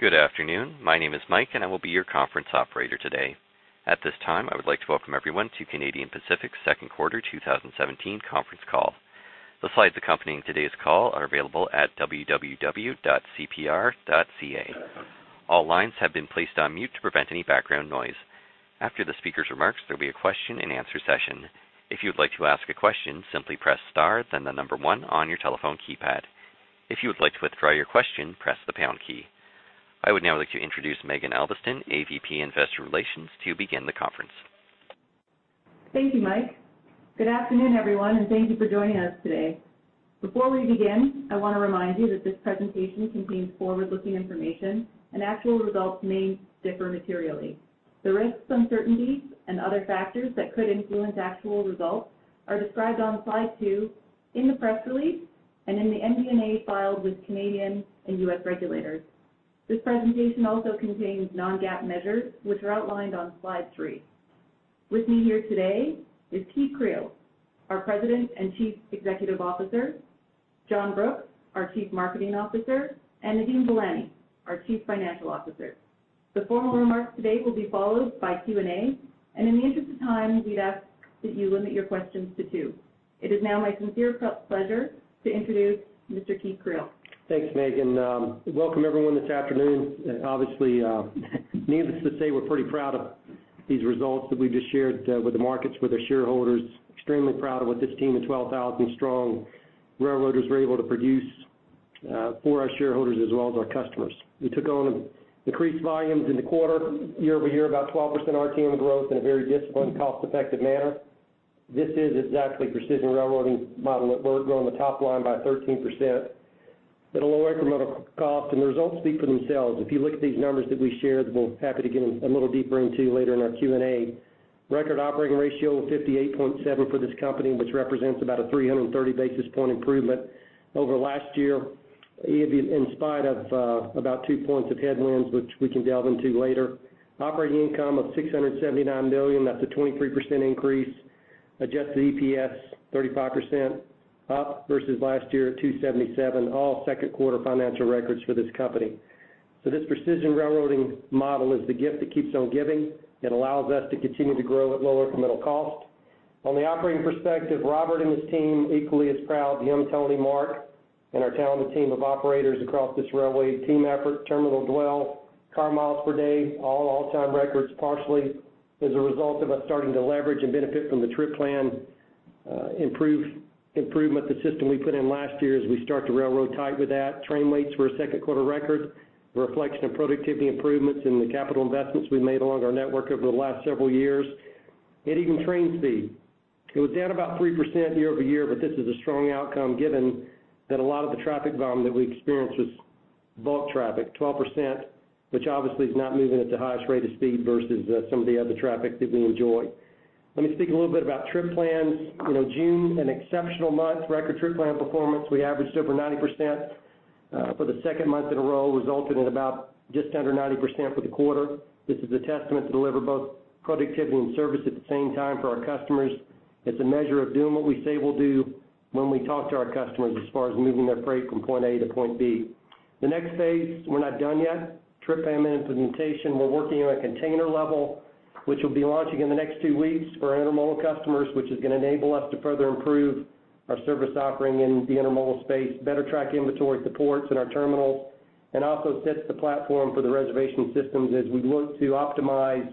Good afternoon. My name is Mike, and I will be your conference operator today. At this time, I would like to welcome everyone to Canadian Pacific's Second Quarter 2017 Conference Call. The slides accompanying today's call are available at www.cpr.ca. All lines have been placed on mute to prevent any background noise. After the speaker's remarks, there will be a question-and-answer session. If you would like to ask a question, simply press star, then the number one on your telephone keypad. If you would like to withdraw your question, press the pound key. I would now like to introduce Maeghan Albiston, AVP Investor Relations, to begin the conference. Thank you, Mike. Good afternoon, everyone, and thank you for joining us today. Before we begin, I want to remind you that this presentation contains forward-looking information, and actual results may differ materially. The risks, uncertainties, and other factors that could influence actual results are described on slide two in the press release and in the MD&A filed with Canadian and U.S. regulators. This presentation also contains non-GAAP measures, which are outlined on slidethree. With me here today is Keith Creel, our President and Chief Executive Officer, John Brooks, our Chief Marketing Officer, and Nadeem Velani, our Chief Financial Officer. The formal remarks today will be followed by Q&A, and in the interest of time, we'd ask that you limit your questions to two. It is now my sincere pleasure to introduce Mr. Keith Creel. Thanks, Maeghan. Welcome, everyone, this afternoon. Obviously, needless to say, we're pretty proud of these results that we've just shared with the markets, with our shareholders. Extremely proud of what this team of 12,000-strong railroaders were able to produce for our shareholders as well as our customers. We took on increased volumes in the quarter, year-over-year, about 12% RTM growth in a very disciplined, cost-effective manner. This is exactly the Precision Railroading model at work, growing the top line by 13% at a low incremental cost. And the results speak for themselves. If you look at these numbers that we shared, that we're happy to get a little deeper into later in our Q&A. Record operating ratio of 58.7 for this company, which represents about a 330 basis point improvement over last year, in spite of about two points of headwinds, which we can delve into later. Operating income of $679 million, that's a 23% increase. Adjusted EPS, 35% up versus last year at $2.77, all second quarter financial records for this company. So this Precision Railroading model is the gift that keeps on giving. It allows us to continue to grow at low incremental cost. On the operating perspective, Robert and his team equally as proud, him, Tony, Mark, and our talented team of operators across this railway, team effort, terminal dwell, car miles per day, all-time records partially as a result of us starting to leverage and benefit from the Trip Plan improvement, the system we put in last year as we start to railroad tight with that. Train weights were a second quarter record, a reflection of productivity improvements in the capital investments we made along our network over the last several years. It even train speed. It was down about 3% year-over-year, but this is a strong outcome given that a lot of the traffic volume that we experienced was bulk traffic, 12%, which obviously is not moving at the highest rate of speed versus some of the other traffic that we enjoy. Let me speak a little bit about trip plans. June, an exceptional month, record trip plan performance. We averaged over 90% for the second month in a row, resulting in about just under 90% for the quarter. This is a testament to deliver both productivity and service at the same time for our customers. It's a measure of doing what we say we'll do when we talk to our customers as far as moving their freight from point A to point B. The next phase, we're not done yet, trip plan implementation. We're working on a container level, which we'll be launching in the next two weeks for intermodal customers, which is going to enable us to further improve our service offering in the intermodal space, better track inventory at the ports and our terminals, and also sets the platform for the reservation systems as we look to optimize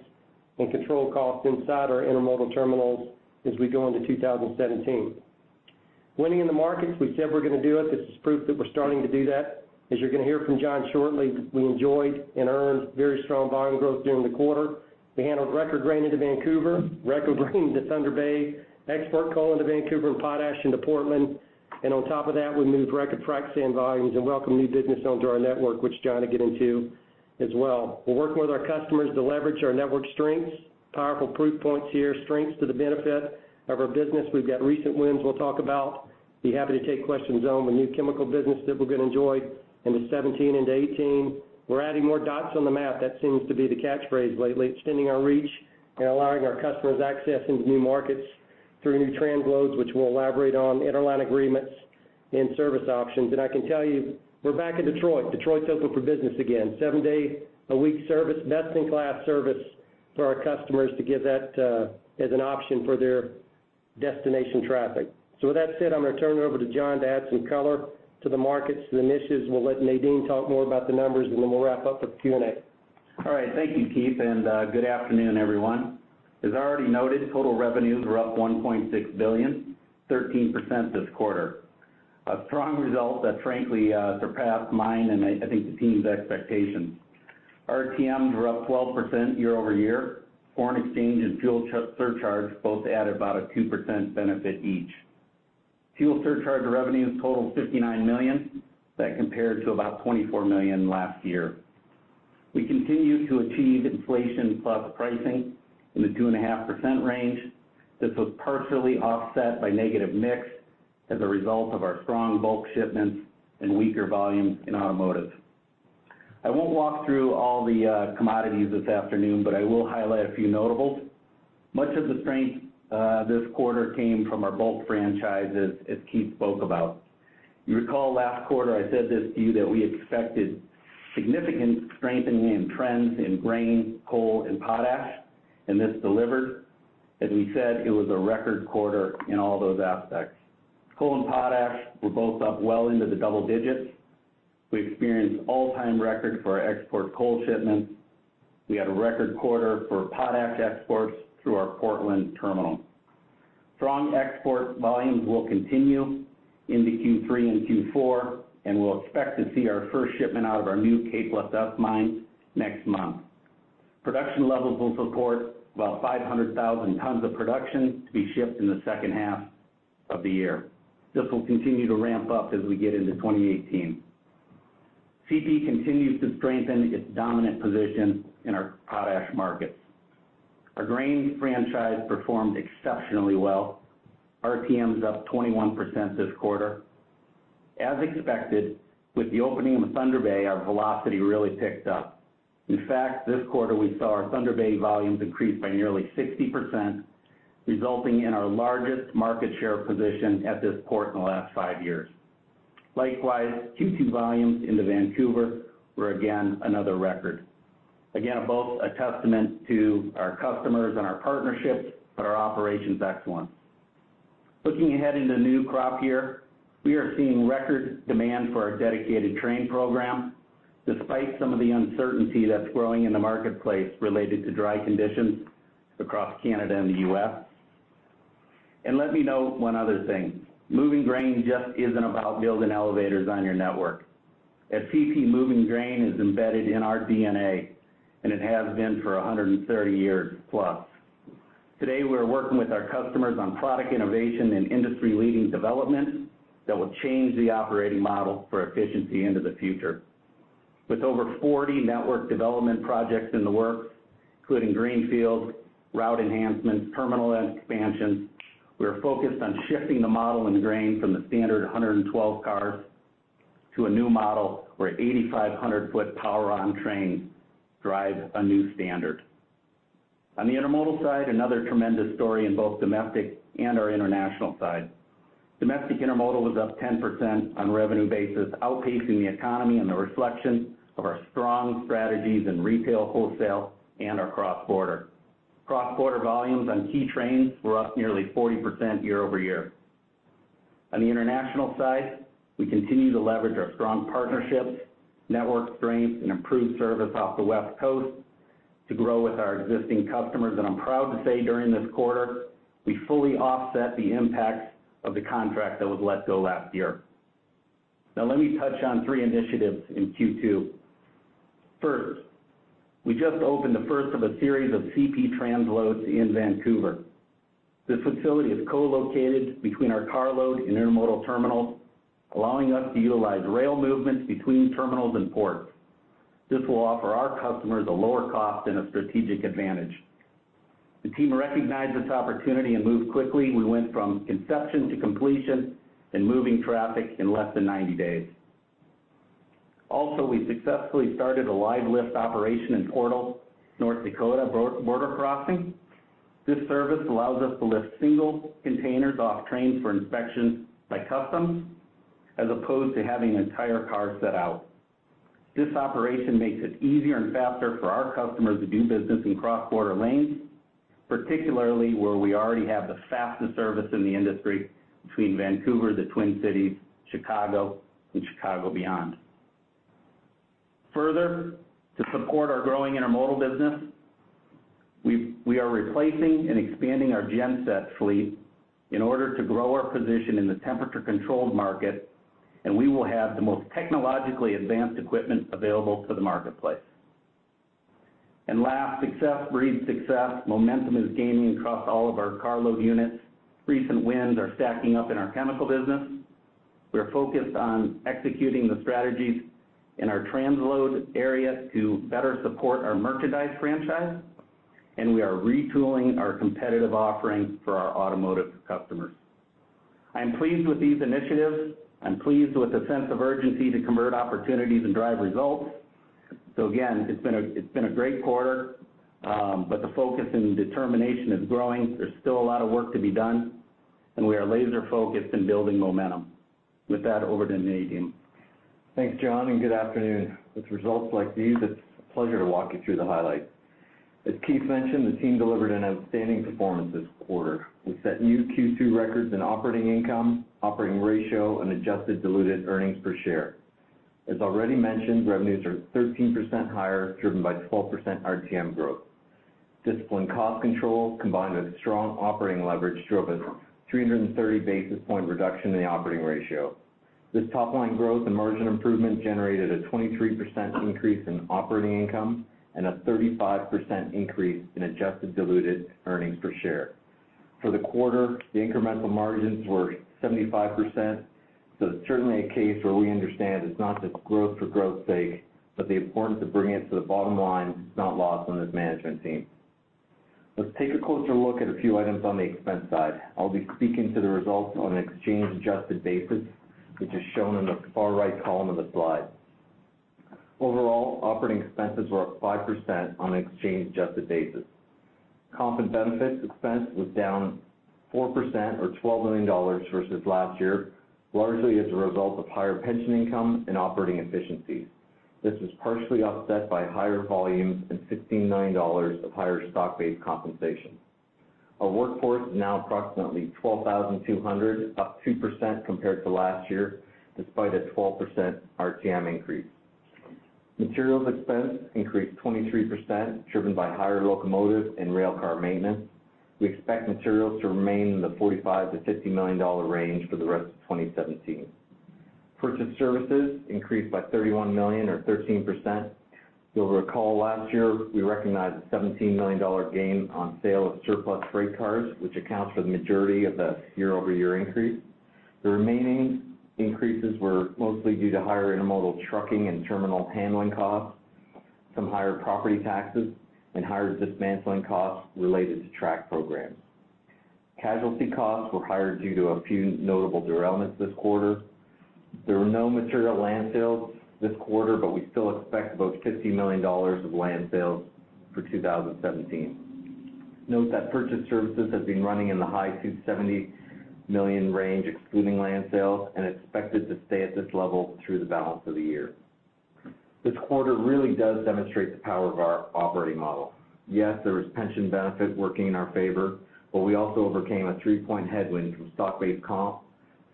and control costs inside our intermodal terminals as we go into 2017. Winning in the markets, we said we're going to do it. This is proof that we're starting to do that. As you're going to hear from John shortly, we enjoyed and earned very strong volume growth during the quarter. We handled record grain into Vancouver, record grain into Thunder Bay, export coal into Vancouver, and potash into Portland. On top of that, we moved record frac sand volumes and welcomed new business owners to our network, which John will get into as well. We're working with our customers to leverage our network strengths, powerful proof points here, strengths to the benefit of our business. We've got recent wins we'll talk about. Be happy to take questions on the new chemical business that we're going to enjoy into 2017 into 2018. We're adding more dots on the map. That seems to be the catchphrase lately, extending our reach and allowing our customers access into new markets through new transloads, which we'll elaborate on, interline agreements, and service options. And I can tell you, we're back in Detroit. Detroit's open for business again, seven-day-a-week service, best-in-class service for our customers to give that as an option for their destination traffic. With that said, I'm going to turn it over to John to add some color to the markets, the niches. We'll let Nadeem talk more about the numbers, and then we'll wrap up with Q&A. All right. Thank you, Keith, and good afternoon, everyone. As already noted, total revenues were up 1.6 billion, 13% this quarter. A strong result that frankly surpassed mine and I think the team's expectations. RTMs were up 12% year-over-year. Foreign exchange and fuel surcharge both added about a 2% benefit each. Fuel surcharge revenues totaled 59 million. That compared to about 24 million last year. We continue to achieve inflation-plus pricing in the 2.5% range. This was partially offset by negative mix as a result of our strong bulk shipments and weaker volumes in automotive. I won't walk through all the commodities this afternoon, but I will highlight a few notables. Much of the strength this quarter came from our bulk franchises, as Keith spoke about. You recall last quarter, I said this to you, that we expected significant strengthening in trends in grain, coal, and potash, and this delivered. As we said, it was a record quarter in all those aspects. Coal and potash were both up well into the double digits. We experienced all-time records for our export coal shipments. We had a record quarter for potash exports through our Portland terminal. Strong export volumes will continue into Q3 and Q4, and we'll expect to see our first shipment out of our new Bethune mine next month. Production levels will support about 500,000T of production to be shipped in the second half of the year. This will continue to ramp up as we get into 2018. CP continues to strengthen its dominant position in our potash markets. Our grain franchise performed exceptionally well. RTMs up 21% this quarter. As expected, with the opening of Thunder Bay, our velocity really picked up. In fact, this quarter, we saw our Thunder Bay volumes increase by nearly 60%, resulting in our largest market share position at this port in the last five years. Likewise, Q2 volumes into Vancouver were again another record. Again, both a testament to our customers and our partnerships, but our operations excellence. Looking ahead into new crop year, we are seeing record demand for our dedicated train program despite some of the uncertainty that's growing in the marketplace related to dry conditions across Canada and the U.S. And let me note one other thing. Moving grain just isn't about building elevators on your network. At CP, moving grain is embedded in our DNA, and it has been for 130 years plus. Today, we're working with our customers on product innovation and industry-leading development that will change the operating model for efficiency into the future. With over 40 network development projects in the works, including greenfields, route enhancements, terminal expansions, we're focused on shifting the model in grain from the standard 112 cars to a new model where 8,500-foot power-on trains drive a new standard. On the intermodal side, another tremendous story in both domestic and our international side. Domestic intermodal was up 10% on revenue basis, outpacing the economy and the reflection of our strong strategies in retail, wholesale, and our cross-border. Cross-border volumes on key trains were up nearly 40% year-over-year. On the international side, we continue to leverage our strong partnerships, network strengths, and improved service off the West Coast to grow with our existing customers. I'm proud to say during this quarter, we fully offset the impacts of the contract that was let go last year. Now, let me touch on three initiatives in Q2. First, we just opened the first of a series of CP transloads in Vancouver. This facility is co-located between our car load and intermodal terminals, allowing us to utilize rail movements between terminals and ports. This will offer our customers a lower cost and a strategic advantage. The team recognized this opportunity and moved quickly. We went from conception to completion and moving traffic in less than 90 days. Also, we successfully started a Live Lift operation in Portal, North Dakota border crossing. This service allows us to lift single containers off trains for inspection by customs as opposed to having an entire car set out. This operation makes it easier and faster for our customers to do business in cross-border lanes, particularly where we already have the fastest service in the industry between Vancouver, the Twin Cities, Chicago, and beyond. Further, to support our growing intermodal business, we are replacing and expanding our genset fleet in order to grow our position in the temperature-controlled market, and we will have the most technologically advanced equipment available to the marketplace. And last, success breeds success. Momentum is gaining across all of our carload units. Recent wins are stacking up in our chemical business. We are focused on executing the strategies in our transload area to better support our merchandise franchise, and we are retooling our competitive offering for our automotive customers. I am pleased with these initiatives. I'm pleased with the sense of urgency to convert opportunities and drive results. So again, it's been a great quarter, but the focus and determination is growing. There's still a lot of work to be done, and we are laser-focused in building momentum. With that, over to Nadeem. Thanks, John, and good afternoon. With results like these, it's a pleasure to walk you through the highlights. As Keith mentioned, the team delivered an outstanding performance this quarter. We set new Q2 records in operating income, operating ratio, and adjusted diluted earnings per share. As already mentioned, revenues are 13% higher, driven by 12% RTM growth. Disciplined cost control, combined with strong operating leverage, drove a 330 basis point reduction in the operating ratio. This top-line growth and margin improvement generated a 23% increase in operating income and a 35% increase in adjusted diluted earnings per share. For the quarter, the incremental margins were 75%. It's certainly a case where we understand it's not just growth for growth's sake, but the importance of bringing it to the bottom line is not lost on this management team. Let's take a closer look at a few items on the expense side. I'll be speaking to the results on an exchange-adjusted basis, which is shown in the far right column of the slide. Overall, operating expenses were up 5% on an exchange-adjusted basis. Comp and benefits expense was down 4% or $12 million versus last year, largely as a result of higher pension income and operating efficiencies. This was partially offset by higher volumes and $16 million of higher stock-based compensation. Our workforce is now approximately 12,200, up 2% compared to last year despite a 12% RTM increase. Materials expense increased 23%, driven by higher locomotive and railcar maintenance. We expect materials to remain in the $45-$50 million range for the rest of 2017. Purchased services increased by $31 million or 13%. You'll recall last year, we recognized a $17 million gain on sale of surplus freight cars, which accounts for the majority of the year-over-year increase. The remaining increases were mostly due to higher intermodal trucking and terminal handling costs, some higher property taxes, and higher dismantling costs related to track programs. Casualty costs were higher due to a few notable derailments this quarter. There were no material land sales this quarter, but we still expect about $50 million of land sales for 2017. Note that purchased services have been running in the high $270 million range, excluding land sales, and expected to stay at this level through the balance of the year. This quarter really does demonstrate the power of our operating model. Yes, there was pension benefit working in our favor, but we also overcame a 3-point headwind from stock-based comp,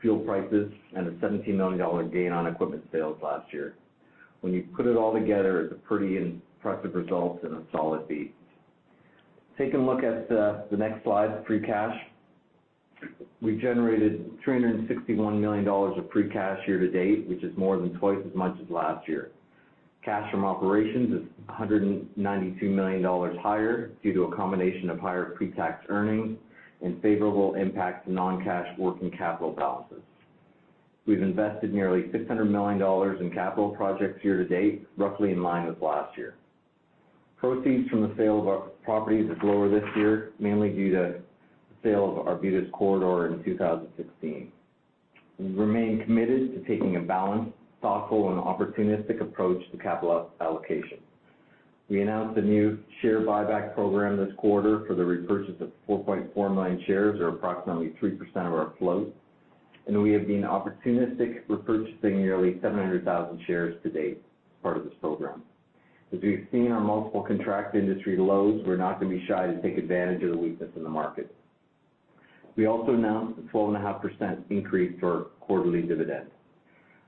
fuel prices, and a $17 million gain on equipment sales last year. When you put it all together, it's a pretty impressive result and a solid beat. Take a look at the next slide, free cash. We generated $361 million of free cash year to date, which is more than twice as much as last year. Cash from operations is $192 million higher due to a combination of higher pre-tax earnings and favorable impact to non-cash working capital balances. We've invested nearly $600 million in capital projects year to date, roughly in line with last year. Proceeds from the sale of our properties is lower this year, mainly due to the sale of Arbutus Corridor in 2016. We remain committed to taking a balanced, thoughtful, and opportunistic approach to capital allocation. We announced a new share buyback program this quarter for the repurchase of 4.4 million shares, or approximately 3% of our float. We have been opportunistic repurchasing nearly 700,000 shares to date as part of this program. As we've seen our multiple contract industry lows, we're not going to be shy to take advantage of the weakness in the market. We also announced a 12.5% increase to our quarterly dividend.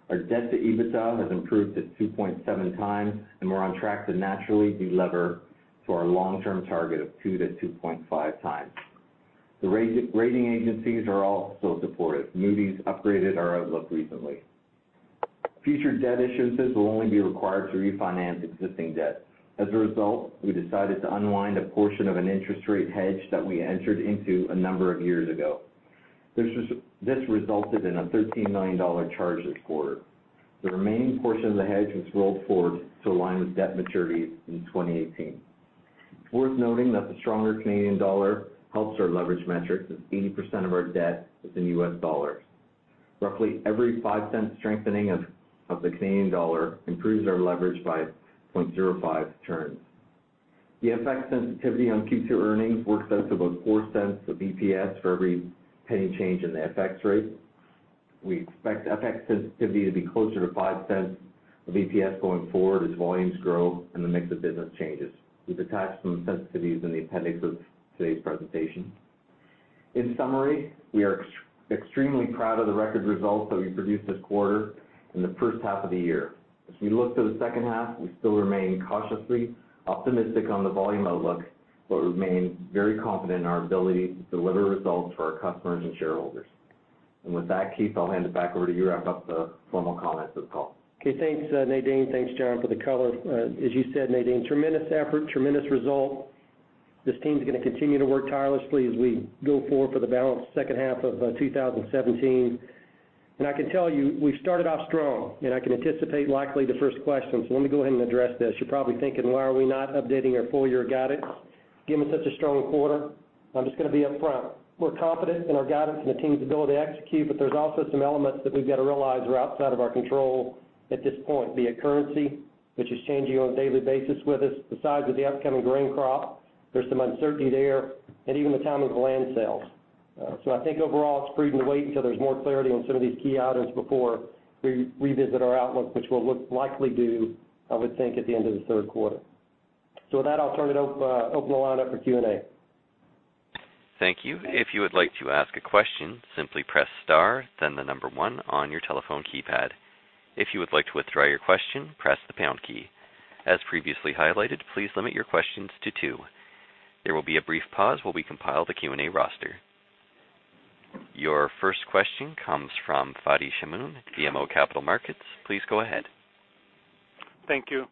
Our debt to EBITDA has improved to 2.7 times, and we're on track to naturally delever to our long-term target of 2-2.5 times. The rating agencies are all so supportive. Moody's upgraded our outlook recently. Future debt issuances will only be required to refinance existing debt. As a result, we decided to unwind a portion of an interest rate hedge that we entered into a number of years ago. This resulted in a $13 million charge this quarter. The remaining portion of the hedge was rolled forward to align with debt maturities in 2018. It's worth noting that the stronger Canadian dollar helps our leverage metrics, as 80% of our debt is in U.S. dollars. Roughly every 0.05 strengthening of the Canadian dollar improves our leverage by 0.05 turns. The FX sensitivity on Q2 earnings works out to about 4 cents of EPS for every penny change in the FX rate. We expect FX sensitivity to be closer to 5 cents of EPS going forward as volumes grow and the mix of business changes. We've attached some sensitivities in the appendix of today's presentation. In summary, we are extremely proud of the record results that we produced this quarter and the first half of the year. As we look to the second half, we still remain cautiously optimistic on the volume outlook, but remain very confident in our ability to deliver results for our customers and shareholders. And with that, Keith, I'll hand it back over to you to wrap up the formal comments of the call. Okay, thanks, Nadeem. Thanks, John, for the color. As you said, Nadeem, tremendous effort, tremendous result. This team is going to continue to work tirelessly as we go forward for the balanced second half of 2017. I can tell you, we've started off strong, and I can anticipate likely the first question. So let me go ahead and address this. You're probably thinking, "Why are we not updating our full-year guidance?" Given such a strong quarter, I'm just going to be upfront. We're confident in our guidance and the team's ability to execute, but there's also some elements that we've got to realize are outside of our control at this point, be it currency, which is changing on a daily basis with us, the size of the upcoming grain crop. There's some uncertainty there, and even the timing of land sales. I think overall, it's freedom to wait until there's more clarity on some of these key items before we revisit our outlook, which we'll likely do, I would think, at the end of the third quarter. With that, I'll open the line up for Q&A. Thank you. If you would like to ask a question, simply press star, then the number one on your telephone keypad. If you would like to withdraw your question, press the pound key. As previously highlighted, please limit your questions to two. There will be a brief pause while we compile the Q&A roster. Your first question comes from Fadi Chamoun, BMO Capital Markets. Please go ahead. Thank you.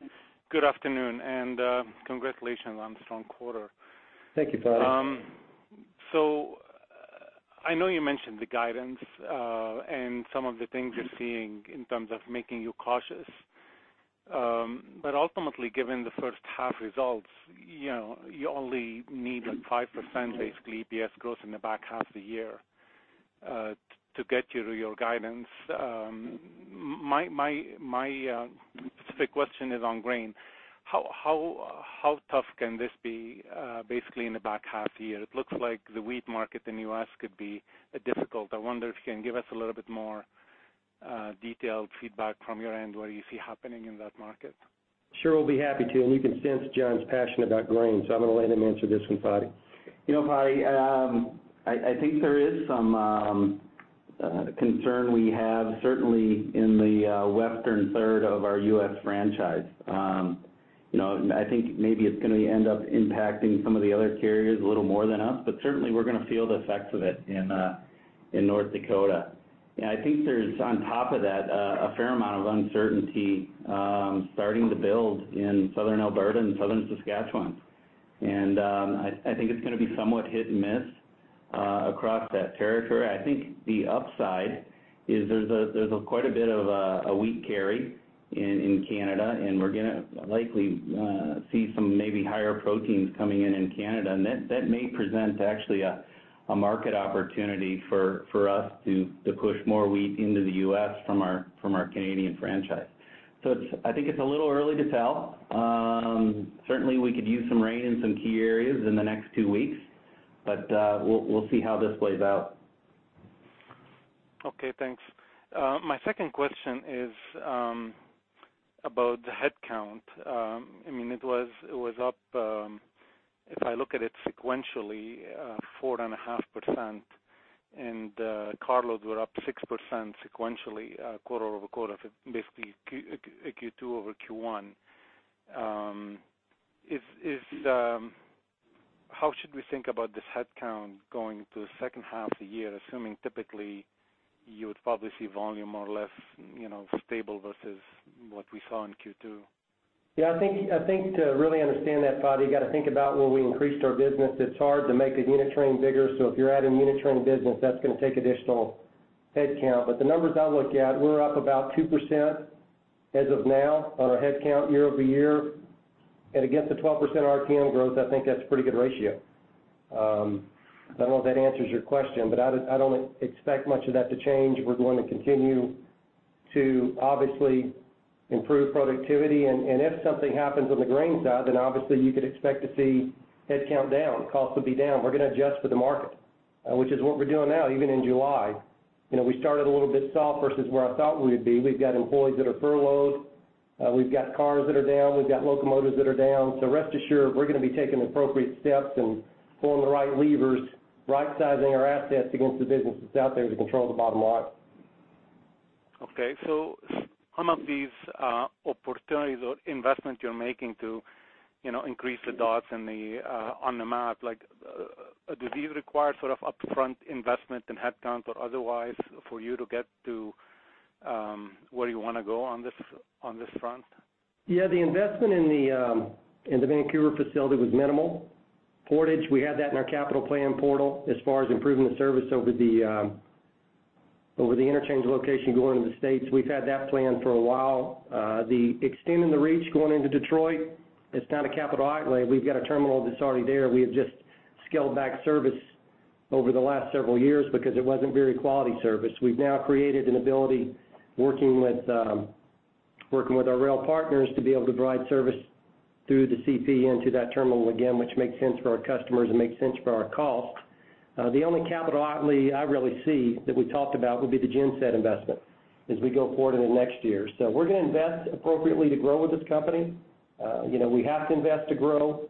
Good afternoon and congratulations on a strong quarter. Thank you, Fadi. So I know you mentioned the guidance and some of the things you're seeing in terms of making you cautious. But ultimately, given the first half results, you only need 5% basically EPS growth in the back half of the year to get you to your guidance. My specific question is on grain. How tough can this be basically in the back half of the year? It looks like the wheat market in the U.S. could be difficult. I wonder if you can give us a little bit more detailed feedback from your end, what do you see happening in that market? Sure, we'll be happy to. You can sense John's passion about grain, so I'm going to let him answer this one, Fadi. Fadi, I think there is some concern we have, certainly in the western third of our U.S. franchise. I think maybe it's going to end up impacting some of the other carriers a little more than us, but certainly we're going to feel the effects of it in North Dakota. And I think there's, on top of that, a fair amount of uncertainty starting to build in southern Alberta and southern Saskatchewan. And I think it's going to be somewhat hit and miss across that territory. I think the upside is there's quite a bit of a wheat carry in Canada, and we're going to likely see some maybe higher proteins coming in in Canada. And that may present actually a market opportunity for us to push more wheat into the U.S. from our Canadian franchise. So I think it's a little early to tell. Certainly, we could use some rain in some key areas in the next two weeks, but we'll see how this plays out. Okay, thanks. My second question is about the headcount. I mean, it was up, if I look at it sequentially, 4.5%, and car loads were up 6% sequentially, quarter-over-quarter, basically Q2 over Q1. How should we think about this headcount going into the second half of the year, assuming typically you would probably see volume more or less stable versus what we saw in Q2? Yeah, I think to really understand that, Fadi, you got to think about where we increased our business. It's hard to make the unit train bigger, so if you're adding unit train business, that's going to take additional headcount. But the numbers I look at, we're up about 2% as of now on our headcount year-over-year. And against the 12% RTM growth, I think that's a pretty good ratio. I don't know if that answers your question, but I don't expect much of that to change. We're going to continue to obviously improve productivity. And if something happens on the grain side, then obviously you could expect to see headcount down, costs would be down. We're going to adjust for the market, which is what we're doing now, even in July. We started a little bit soft versus where I thought we would be. We've got employees that are furloughed. We've got cars that are down. We've got locomotives that are down. So rest assured, we're going to be taking appropriate steps and pulling the right levers, right-sizing our assets against the business that's out there to control the bottom line. Okay, some of these opportunities or investment you're making to increase the dots on the map, does this require sort of upfront investment in headcount or otherwise for you to get to where you want to go on this front? Yeah, the investment in the Vancouver facility was minimal. Portal, we had that in our capital plan portal as far as improving the service over the interchange location going into the States. We've had that planned for a while. The extending the reach going into Detroit, it's not a capital outlay. We've got a terminal that's already there. We have just scaled back service over the last several years because it wasn't very quality service. We've now created an ability, working with our rail partners, to be able to provide service through the CP into that terminal again, which makes sense for our customers and makes sense for our cost. The only capital outlay I really see that we talked about would be the genset investment as we go forward into next year. So we're going to invest appropriately to grow with this company. We have to invest to grow.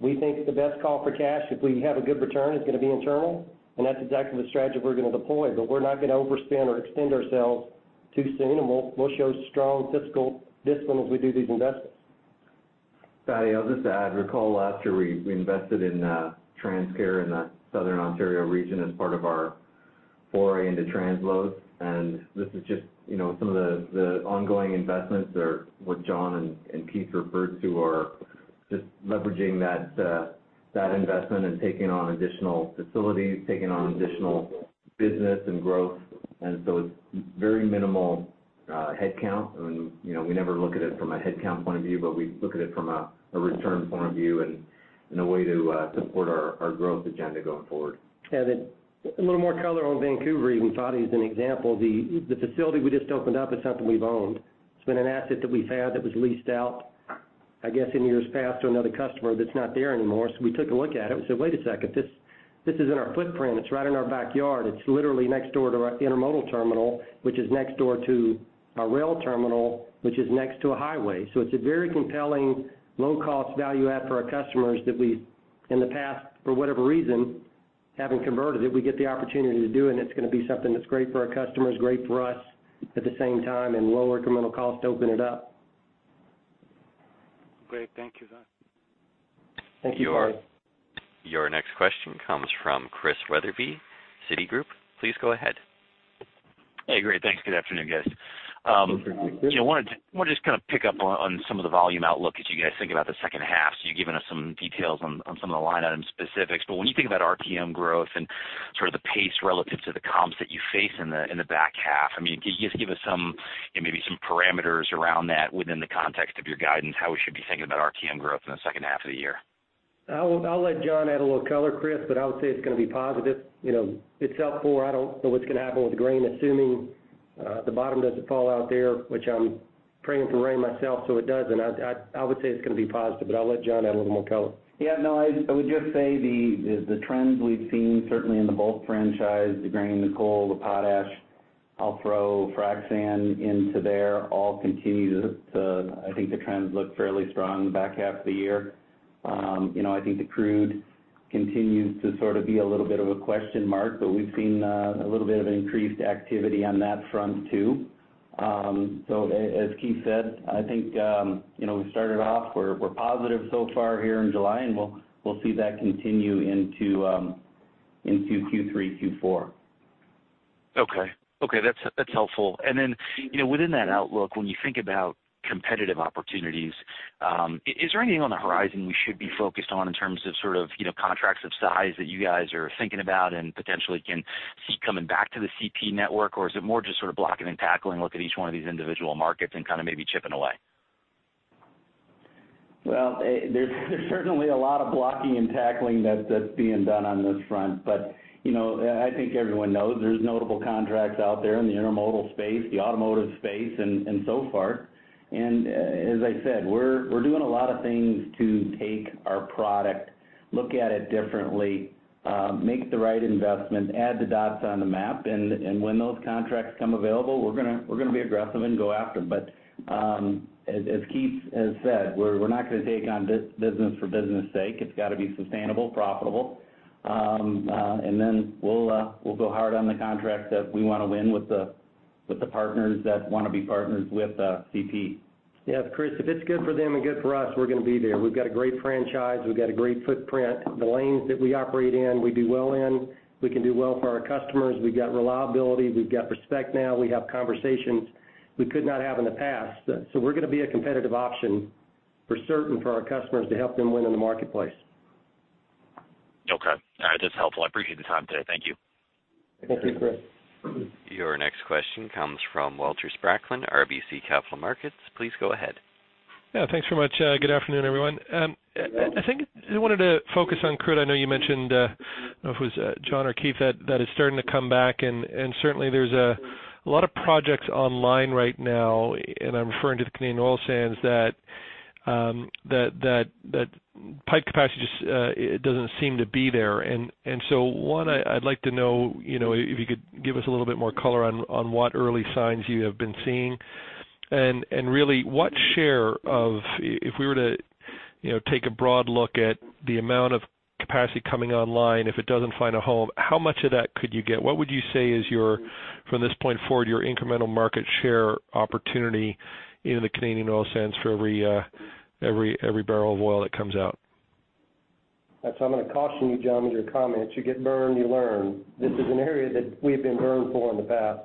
We think the best call for cash, if we have a good return, is going to be internal. That's exactly the strategy we're going to deploy. We're not going to overspend or extend ourselves too soon, and we'll show strong fiscal discipline as we do these investments. Fadi, I'll just add. Recall, last year, we invested in TransCare in the Southern Ontario region as part of our foray into transloads. This is just some of the ongoing investments or what John and Keith referred to are just leveraging that investment and taking on additional facilities, taking on additional business and growth. So it's very minimal headcount. We never look at it from a headcount point of view, but we look at it from a return point of view and a way to support our growth agenda going forward. Yeah, a little more color on Vancouver even. Fadi's an example. The facility we just opened up is something we've owned. It's been an asset that we've had that was leased out, I guess, in years past to another customer that's not there anymore. So we took a look at it. We said, "Wait a second. This is in our footprint. It's right in our backyard. It's literally next door to our intermodal terminal, which is next door to our rail terminal, which is next to a highway." So it's a very compelling low-cost value add for our customers that we, in the past, for whatever reason, haven't converted it. We get the opportunity to do it, and it's going to be something that's great for our customers, great for us at the same time, and lower incremental cost to open it up. Great. Thank you, John Thank you, Fadi. Your next question comes from Chris Wetherbee, Citi. Please go ahead. Hey, great. Thanks. Good afternoon, guys. I want to just kind of pick up on some of the volume outlook as you guys think about the second half. So you've given us some details on some of the line item specifics. But when you think about RTM growth and sort of the pace relative to the comps that you face in the back half, I mean, can you just give us maybe some parameters around that within the context of your guidance, how we should be thinking about RTM growth in the second half of the year? I'll let John add a little color, Chris, but I would say it's going to be positive. It's up for I don't know what's going to happen with the grain, assuming the bottom doesn't fall out there, which I'm praying for rain myself so it doesn't. I would say it's going to be positive, but I'll let John add a little more color. Yeah, no, I would just say the trends we've seen, certainly in the bulk franchise, the grain, the coal, the potash. I'll throw frac sand into there. All continue to, I think, the trends look fairly strong in the back half of the year. I think the crude continues to sort of be a little bit of a question mark, but we've seen a little bit of an increased activity on that front too. So as Keith said, I think we started off. We're positive so far here in July, and we'll see that continue into Q3, Q4. Okay. Okay, that's helpful. And then within that outlook, when you think about competitive opportunities, is there anything on the horizon we should be focused on in terms of sort of contracts of size that you guys are thinking about and potentially can see coming back to the CP network, or is it more just sort of blocking and tackling, look at each one of these individual markets and kind of maybe chipping away? Well, there's certainly a lot of blocking and tackling that's being done on this front. But I think everyone knows there's notable contracts out there in the intermodal space, the automotive space, and so far. And as I said, we're doing a lot of things to take our product, look at it differently, make the right investment, add the dots on the map. And when those contracts come available, we're going to be aggressive and go after them. But as Keith has said, we're not going to take on business for business' sake. It's got to be sustainable, profitable. And then we'll go hard on the contracts that we want to win with the partners that want to be partners with CP. Yeah, Chris, if it's good for them and good for us, we're going to be there. We've got a great franchise. We've got a great footprint. The lanes that we operate in, we do well in. We can do well for our customers. We've got reliability. We've got respect now. We have conversations we could not have in the past. So we're going to be a competitive option for certain for our customers to help them win in the marketplace. Okay. All right, that's helpful. I appreciate the time today. Thank you. Thank you, Chris. Your next question comes from Walter Spracklin, RBC Capital Markets. Please go ahead. Yeah, thanks very much. Good afternoon, everyone. I think I wanted to focus on crude. I know you mentioned, I don't know if it was John or Keith, that it's starting to come back. Certainly, there's a lot of projects online right now, and I'm referring to the Canadian Oil Sands, that pipe capacity just doesn't seem to be there. So one, I'd like to know if you could give us a little bit more color on what early signs you have been seeing. Really, what share of if we were to take a broad look at the amount of capacity coming online, if it doesn't find a home, how much of that could you get? What would you say is your, from this point forward, your incremental market share opportunity in the Canadian Oil Sands for every barrel of oil that comes out? So I'm going to caution you, John, with your comments. You get burned, you learn. This is an area that we've been burned for in the past.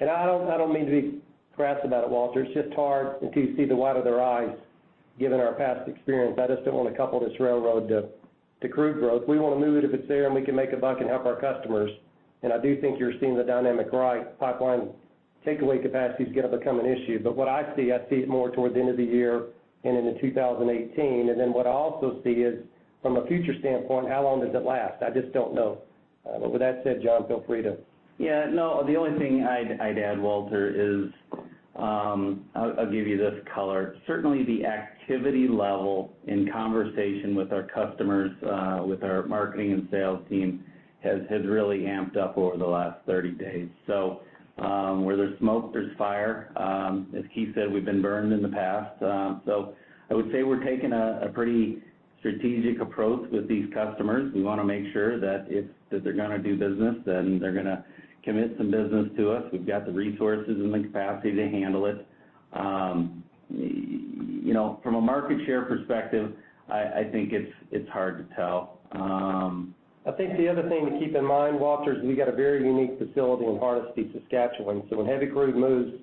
And I don't mean to be crass about it, Walter. It's just hard until you see the white of their eyes, given our past experience. I just don't want to couple this railroad to crude growth. We want to move it if it's there, and we can make a buck and help our customers. And I do think you're seeing the dynamic right. Pipeline takeaway capacity is going to become an issue. But what I see, I see it more toward the end of the year and into 2018. And then what I also see is, from a future standpoint, how long does it last? I just don't know. But with that said, John, feel free to. Yeah, no, the only thing I'd add, Walter, is I'll give you this color. Certainly, the activity level in conversation with our customers, with our marketing and sales team, has really amped up over the last 30 days. So where there's smoke, there's fire. As Keith said, we've been burned in the past. So I would say we're taking a pretty strategic approach with these customers. We want to make sure that if they're going to do business, then they're going to commit some business to us. We've got the resources and the capacity to handle it. From a market share perspective, I think it's hard to tell. I think the other thing to keep in mind, Walter, is we got a very unique facility in Hardisty, Saskatchewan. So when heavy crude moves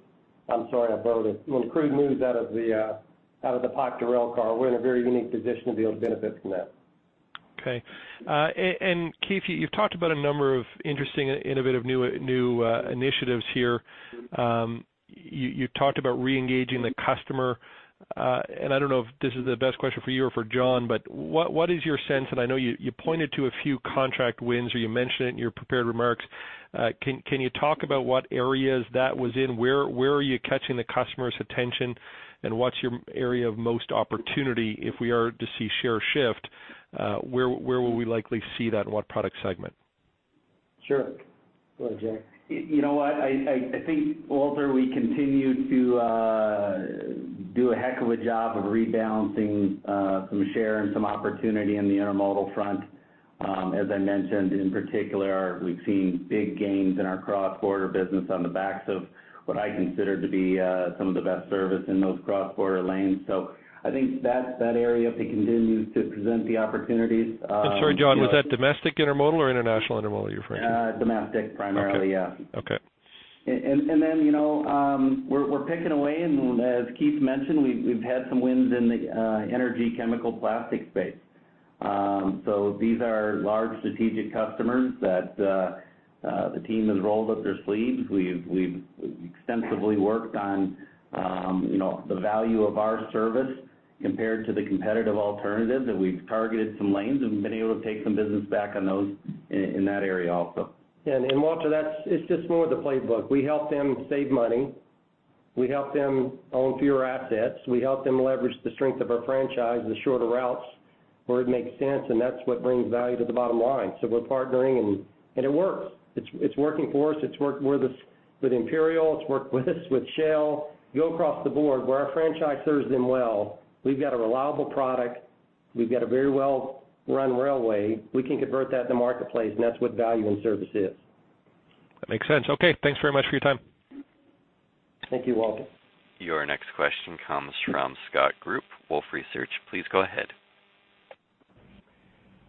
I'm sorry, I broke it. When crude moves out of the pipe to Railcar, we're in a very unique position to be able to benefit from that. Okay. And Keith, you've talked about a number of interesting, innovative, new initiatives here. You talked about re-engaging the customer. And I don't know if this is the best question for you or for John, but what is your sense? And I know you pointed to a few contract wins or you mentioned it in your prepared remarks. Can you talk about what areas that was in? Where are you catching the customer's attention, and what's your area of most opportunity if we are to see share shift? Where will we likely see that, and what product segment? Sure. Go ahead, John. You know what? I think, Walter, we continue to do a heck of a job of rebalancing some share and some opportunity in the intermodal front. As I mentioned, in particular, we've seen big gains in our cross-border business on the backs of what I consider to be some of the best service in those cross-border lanes. So I think that area continues to present the opportunities. I'm sorry, John, was that domestic intermodal or international intermodal you're referring to? Domestic primarily, yes. Okay. Okay. And then we're picking away, and as Keith mentioned, we've had some wins in the energy, chemical, plastic space. So these are large strategic customers that the team has rolled up their sleeves. We've extensively worked on the value of our service compared to the competitive alternatives that we've targeted some lanes and been able to take some business back on those in that area also. Yeah, and Walter, it's just more of the playbook. We help them save money. We help them own fewer assets. We help them leverage the strength of our franchise, the shorter routes where it makes sense, and that's what brings value to the bottom line. So we're partnering, and it works. It's working for us. It's worked with Imperial. It's worked with Shell. You go across the board. Where our franchise serves them well, we've got a reliable product. We've got a very well-run railway. We can convert that to the marketplace, and that's what value and service is. That makes sense. Okay, thanks very much for your time. Thank you, Walter. Your next question comes from Scott Group, Wolfe Research. Please go ahead.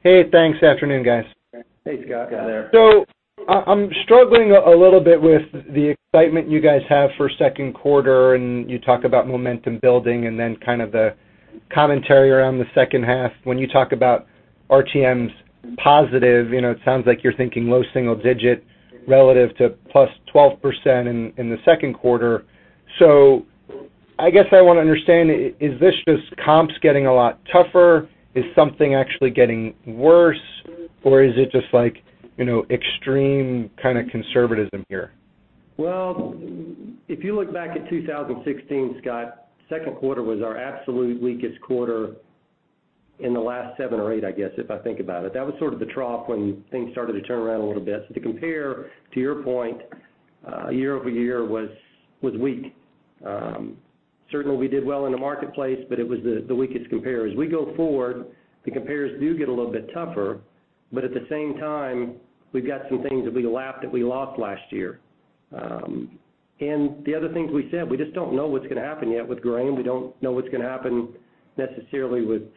Hey, thanks. Afternoon, guys. Hey, Scott. Got there. So I'm struggling a little bit with the excitement you guys have for second quarter, and you talk about momentum building and then kind of the commentary around the second half. When you talk about RTMs positive, it sounds like you're thinking low single digit relative to +12% in the second quarter. So I guess I want to understand, is this just comps getting a lot tougher? Is something actually getting worse, or is it just extreme kind of conservatism here? Well, if you look back at 2016, Scott, second quarter was our absolute weakest quarter in the last seven or eight, I guess, if I think about it. That was sort of the trough when things started to turn around a little bit. So to compare to your point, year-over-year was weak. Certainly, we did well in the marketplace, but it was the weakest compares. We go forward. The compares do get a little bit tougher, but at the same time, we've got some things that we lapsed that we lost last year. And the other things we said, we just don't know what's going to happen yet with grain. We don't know what's going to happen necessarily with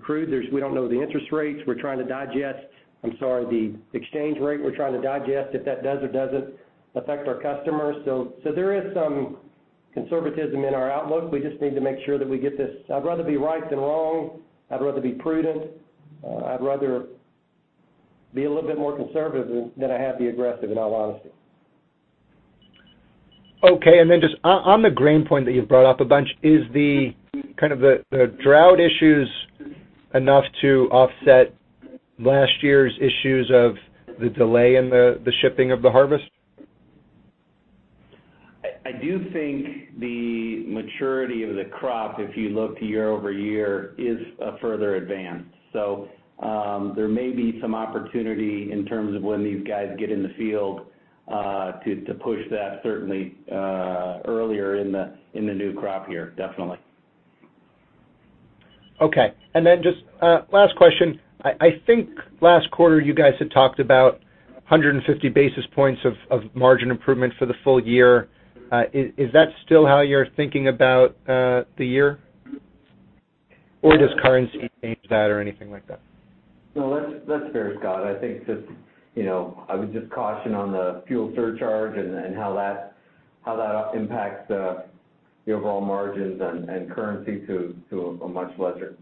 crude. We don't know the interest rates. We're trying to digest, I'm sorry, the exchange rate. We're trying to digest if that does or doesn't affect our customers. So there is some conservatism in our outlook. We just need to make sure that we get this. I'd rather be right than wrong. I'd rather be prudent. I'd rather be a little bit more conservative than I have to be aggressive, in all honesty. Okay, and then just on the grain point that you've brought up a bunch, is kind of the drought issues enough to offset last year's issues of the delay in the shipping of the harvest? I do think the maturity of the crop, if you look to year-over-year, is a further advance. So there may be some opportunity in terms of when these guys get in the field to push that, certainly earlier in the new crop year, definitely. Okay, and then just last question. I think last quarter, you guys had talked about 150 basis points of margin improvement for the full year. Is that still how you're thinking about the year, or does currency change that or anything like that? No, that's fair, Scott. I think just I would just caution on the fuel surcharge and how that impacts the overall margins and currency to a much lesser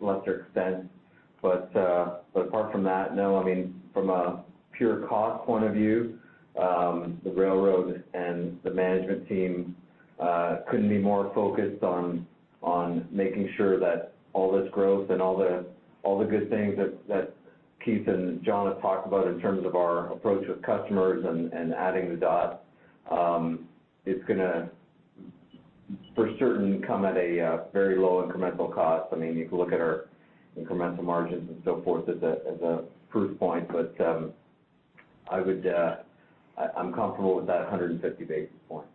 extent. But apart from that, no, I mean, from a pure cost point of view, the railroad and the management team couldn't be more focused on making sure that all this growth and all the good things that Keith and John have talked about in terms of our approach with customers and adding the dots, it's going to, for certain, come at a very low incremental cost. I mean, you can look at our incremental margins and so forth as a proof point, but I'm comfortable with that 150 basis point.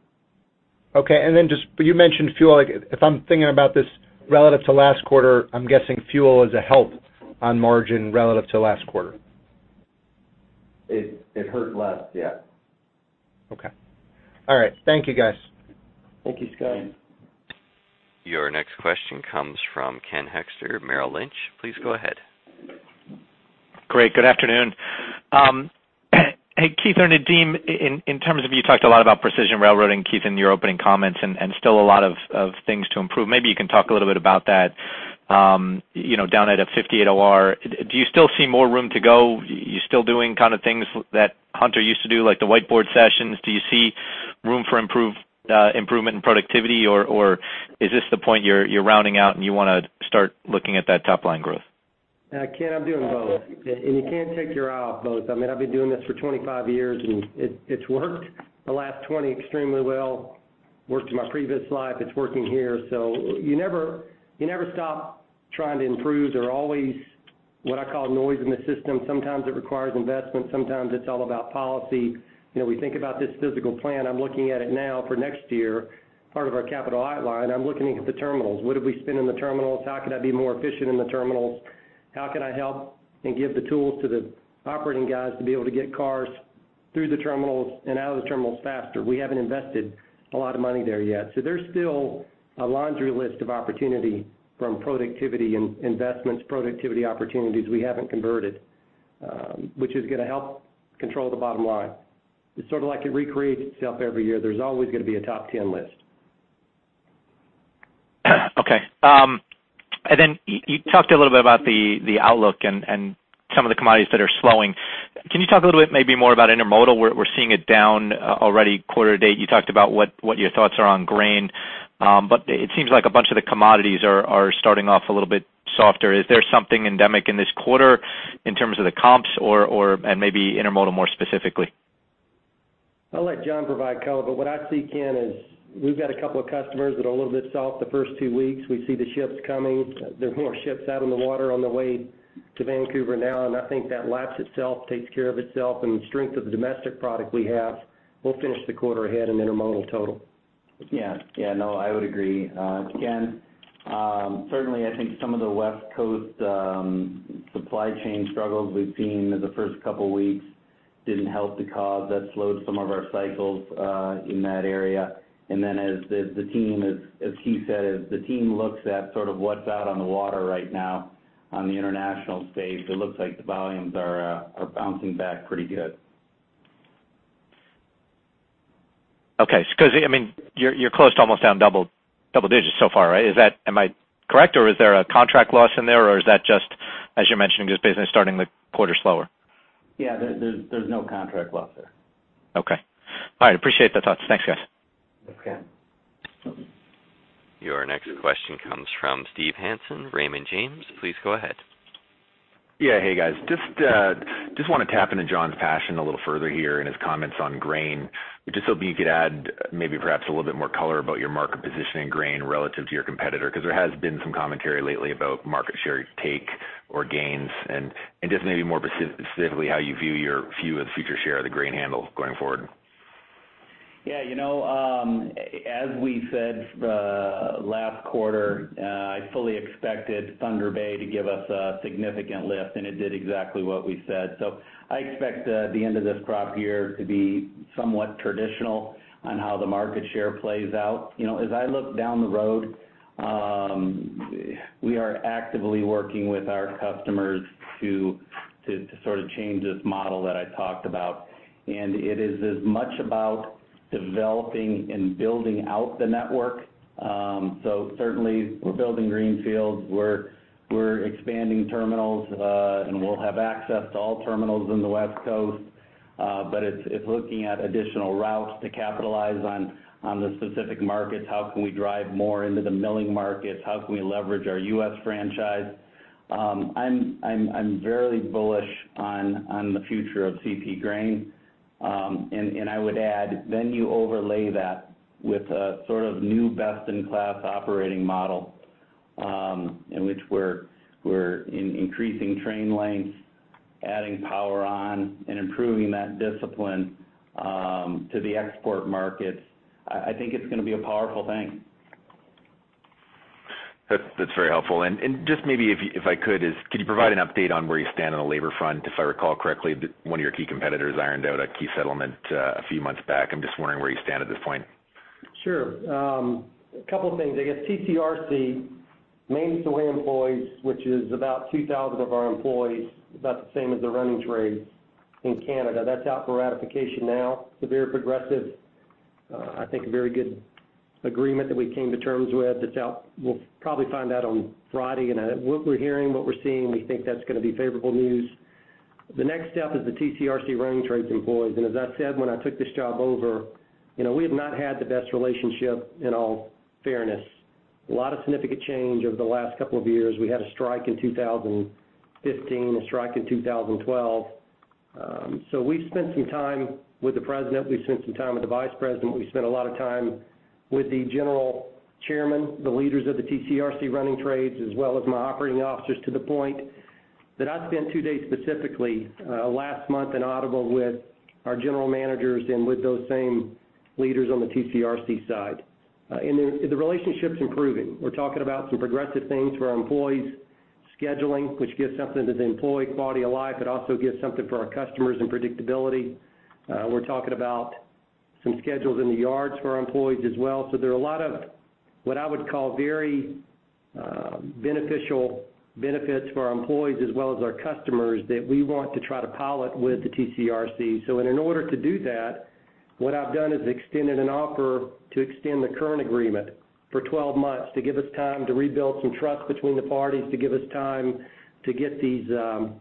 Okay, and then just, but you mentioned fuel. If I'm thinking about this relative to last quarter, I'm guessing fuel is a help on margin relative to last quarter. It hurts less, yes. Okay. All right, thank you, guys. Thank you, Scott. Your next question comes from Ken Hoexter, Merrill Lynch. Please go ahead. Great. Good afternoon. Hey, Keith or Nadeem, in terms of you talked a lot about Precision Railroading and Keith in your opening comments and still a lot of things to improve. Maybe you can talk a little bit about that down at a 58 OR. Do you still see more room to go? You're still doing kind of things that Hunter used to do, like the whiteboard sessions. Do you see room for improvement and productivity, or is this the point you're rounding out and you want to start looking at that top-line growth? Yeah, Ken, I'm doing both. You can't take your eye off both. I mean, I've been doing this for 25 years, and it's worked the last 20 extremely well, worked in my previous life. It's working here. You never stop trying to improve. There are always what I call noise in the system. Sometimes it requires investment. Sometimes it's all about policy. We think about this physical plan. I'm looking at it now for next year, part of our capital outline. I'm looking at the terminals. What have we spent in the terminals? How can I be more efficient in the terminals? How can I help and give the tools to the operating guys to be able to get cars through the terminals and out of the terminals faster? We haven't invested a lot of money there yet. So there's still a laundry list of opportunity from productivity investments, productivity opportunities we haven't converted, which is going to help control the bottom line. It's sort of like it recreates itself every year. There's always going to be a top 10 list. Okay. And then you talked a little bit about the outlook and some of the commodities that are slowing. Can you talk a little bit maybe more about intermodal? We're seeing it down already quarter to date. You talked about what your thoughts are on grain, but it seems like a bunch of the commodities are starting off a little bit softer. Is there something endemic in this quarter in terms of the comps and maybe intermodal more specifically? I'll let John provide color, but what I see, Ken, is we've got a couple of customers that are a little bit soft the first two weeks. We see the ships coming. There are more ships out on the water on the way to Vancouver now, and I think that laps itself, takes care of itself, and the strength of the domestic product we have. We'll finish the quarter ahead in intermodal total. Yeah, yeah, no, I would agree. Again, certainly, I think some of the West Coast supply chain struggles we've seen in the first couple of weeks didn't help the cause. That slowed some of our cycles in that area. And then as the team, as Keith said, as the team looks at sort of what's out on the water right now on the international space, it looks like the volumes are bouncing back pretty good. Okay, because I mean, you're close to almost down double digits so far, right? Am I correct, or is there a contract loss in there, or is that just, as you're mentioning, just business starting the quarter slower? Yeah, there's no contract loss there. Okay. All right. Appreciate the thoughts. Thanks, guys. Okay. Your next question comes from Steve Hansen, Raymond James. Please go ahead. Yeah, hey, guys. Just want to tap into John's passion a little further here in his comments on grain. Just hoping you could add maybe perhaps a little bit more color about your market position in grain relative to your competitor because there has been some commentary lately about market share take or gains and just maybe more specifically how you view your view of the future share of the grain handle going forward. Yeah, as we said last quarter, I fully expected Thunder Bay to give us a significant lift, and it did exactly what we said. So I expect the end of this crop year to be somewhat traditional on how the market share plays out. As I look down the road, we are actively working with our customers to sort of change this model that I talked about. And it is as much about developing and building out the network. So certainly, we're building green fields. We're expanding terminals, and we'll have access to all terminals in the West Coast. But it's looking at additional routes to capitalize on the specific markets. How can we drive more into the milling markets? How can we leverage our U.S. franchise? I'm very bullish on the future of CP grain. And I would add, then you overlay that with a sort of new best-in-class operating model in which we're increasing train lengths, adding power on, and improving that discipline to the export markets. I think it's going to be a powerful thing. That's very helpful. Just maybe if I could, could you provide an update on where you stand on the labor front? If I recall correctly, one of your key competitors ironed out a key settlement a few months back. I'm just wondering where you stand at this point. Sure. A couple of things. I guess TCRC maintenance of way employees, which is about 2,000 of our employees, about the same as the running trades in Canada. That's out for ratification now, severance provisions. I think a very good agreement that we came to terms with that's out. We'll probably find out on Friday. And what we're hearing, what we're seeing, we think that's going to be favorable news. The next step is the TCRC running trades employees. And as I said, when I took this job over, we have not had the best relationship, in all fairness. A lot of significant change over the last couple of years. We had a strike in 2015, a strike in 2012. So we've spent some time with the president. We've spent some time with the vice president. We've spent a lot of time with the general chairman, the leaders of the TCRC running trades, as well as my operating officers to the point that I spent two days specifically last month in Alberta with our general managers and with those same leaders on the TCRC side. The relationship's improving. We're talking about some progressive things for our employees, scheduling, which gives something to the employee quality of life, but also gives something for our customers and predictability. We're talking about some schedules in the yards for our employees as well. So there are a lot of what I would call very beneficial benefits for our employees as well as our customers that we want to try to pilot with the TCRC. In order to do that, what I've done is extended an offer to extend the current agreement for 12 months to give us time to rebuild some trust between the parties, to give us time to get these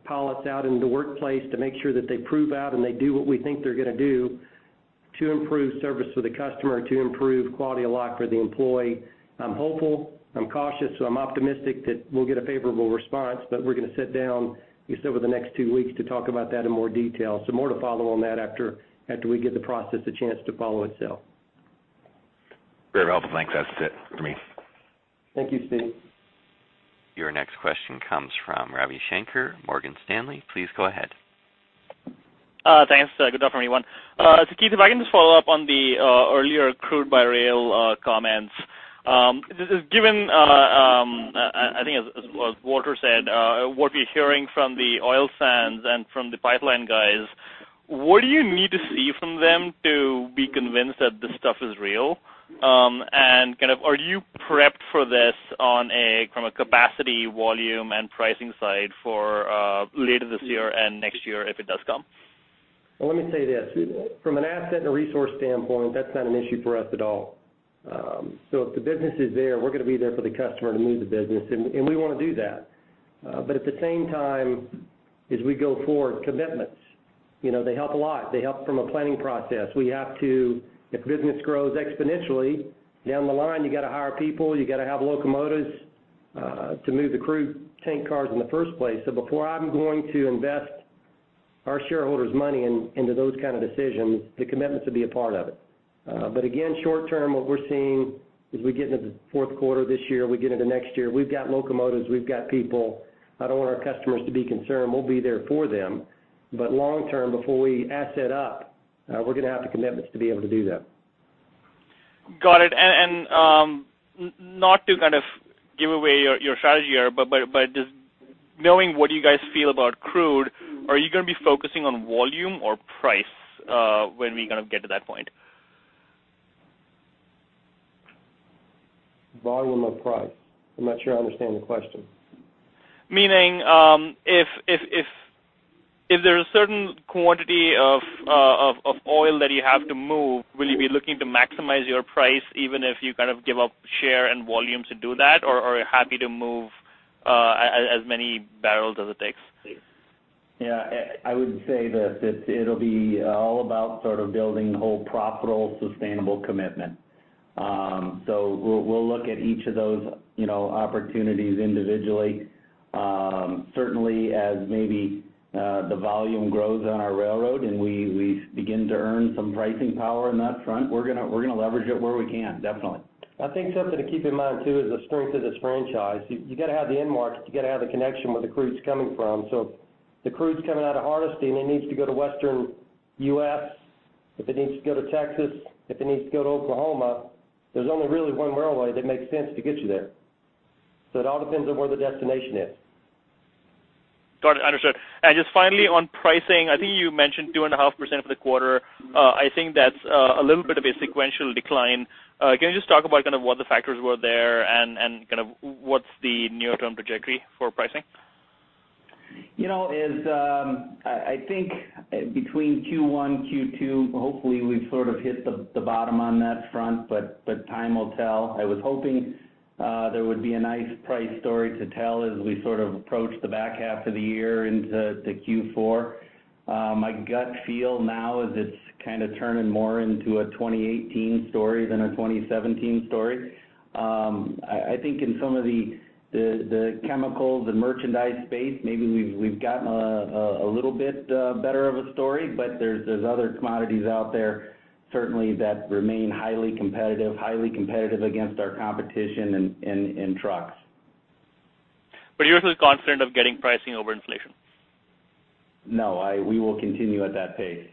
pilots out into the workplace, to make sure that they prove out and they do what we think they're going to do to improve service for the customer, to improve quality of life for the employee. I'm hopeful. I'm cautious. I'm optimistic that we'll get a favorable response, but we're going to sit down, like I said, over the next two weeks to talk about that in more detail. More to follow on that after we get the process a chance to follow itself. Very helpful. Thanks. That's it for me. Thank you, Steve. Your next question comes from Ravi Shanker, Morgan Stanley. Please go ahead. Thanks. Good afternoon, everyone. So Keith, if I can just follow up on the earlier crude by rail comments. Given, I think, as Walter said, what we're hearing from the oil sands and from the pipeline guys, what do you need to see from them to be convinced that this stuff is real? And kind of are you prepped for this from a capacity, volume, and pricing side for later this year and next year if it does come? Well, let me say this. From an asset and resource standpoint, that's not an issue for us at all. So if the business is there, we're going to be there for the customer to move the business, and we want to do that. But at the same time, as we go forward, commitments, they help a lot. They help from a planning process. We have to, if business grows exponentially, down the line, you got to hire people. You got to have locomotives to move the crude tank cars in the first place. So before I'm going to invest our shareholders' money into those kind of decisions, the commitments will be a part of it. But again, short term, what we're seeing as we get into the fourth quarter this year, we get into next year, we've got locomotives. We've got people. I don't want our customers to be concerned. We'll be there for them. But long term, before we asset up, we're going to have the commitments to be able to do that. Got it. Not to kind of give away your strategy here, but just knowing what you guys feel about crude, are you going to be focusing on volume or price when we kind of get to that point? Volume or price? I'm not sure I understand the question. Meaning if there's a certain quantity of oil that you have to move, will you be looking to maximize your price even if you kind of give up share and volume to do that, or are you happy to move as many barrels as it takes? Yeah, I would say that it'll be all about sort of building wholly profitable, sustainable commitment. We'll look at each of those opportunities individually. Certainly, as maybe the volume grows on our railroad and we begin to earn some pricing power in that front, we're going to leverage it where we can, definitely. I think something to keep in mind too is the strength of this franchise. You got to have the end market. You got to have the connection where the crude's coming from. So if the crude's coming out of Hardisty, and it needs to go to western U.S., if it needs to go to Texas, if it needs to go to Oklahoma, there's only really one railway that makes sense to get you there. So it all depends on where the destination is. Got it. Understood. And just finally, on pricing, I think you mentioned 2.5% for the quarter. I think that's a little bit of a sequential decline. Can you just talk about kind of what the factors were there and kind of what's the near-term trajectory for pricing? I think between Q1, Q2, hopefully, we've sort of hit the bottom on that front, but time will tell. I was hoping there would be a nice price story to tell as we sort of approach the back half of the year into Q4. My gut feel now is it's kind of turning more into a 2018 story than a 2017 story. I think in some of the chemicals and merchandise space, maybe we've gotten a little bit better of a story, but there's other commodities out there, certainly, that remain highly competitive, highly competitive against our competition in trucks. Are you absolutely confident of getting pricing over inflation? No, we will continue at that pace.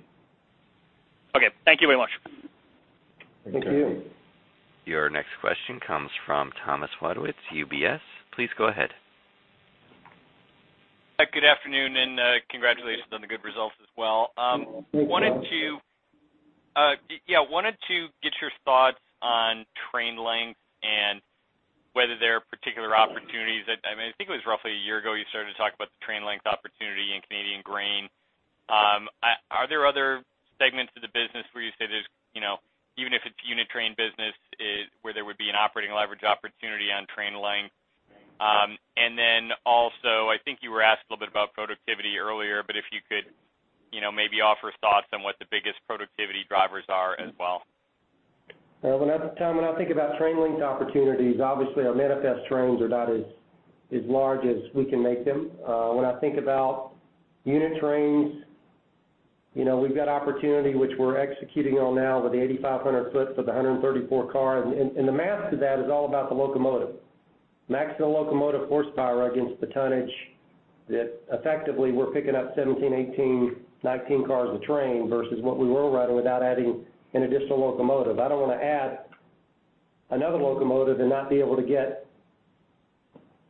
Okay. Thank you very much. Thank you. Your next question comes from Thomas Wadewitz, UBS. Please go ahead. Good afternoon and congratulations on the good results as well. Wanted to get your thoughts on train length and whether there are particular opportunities. I mean, I think it was roughly a year ago you started to talk about the train length opportunity in Canadian grain. Are there other segments of the business where you say there's even if it's unit train business, where there would be an operating leverage opportunity on train length? And then also, I think you were asked a little bit about productivity earlier, but if you could maybe offer thoughts on what the biggest productivity drivers are as well. When I think about train length opportunities, obviously, our manifest trains are not as large as we can make them. When I think about unit trains, we've got opportunity, which we're executing on now with the 8,500-foot for the 134-car. And the math to that is all about the locomotive, maximum locomotive horsepower against the tonnage that effectively, we're picking up 17, 18, 19 cars of train versus what we were running without adding an additional locomotive. I don't want to add another locomotive and not be able to get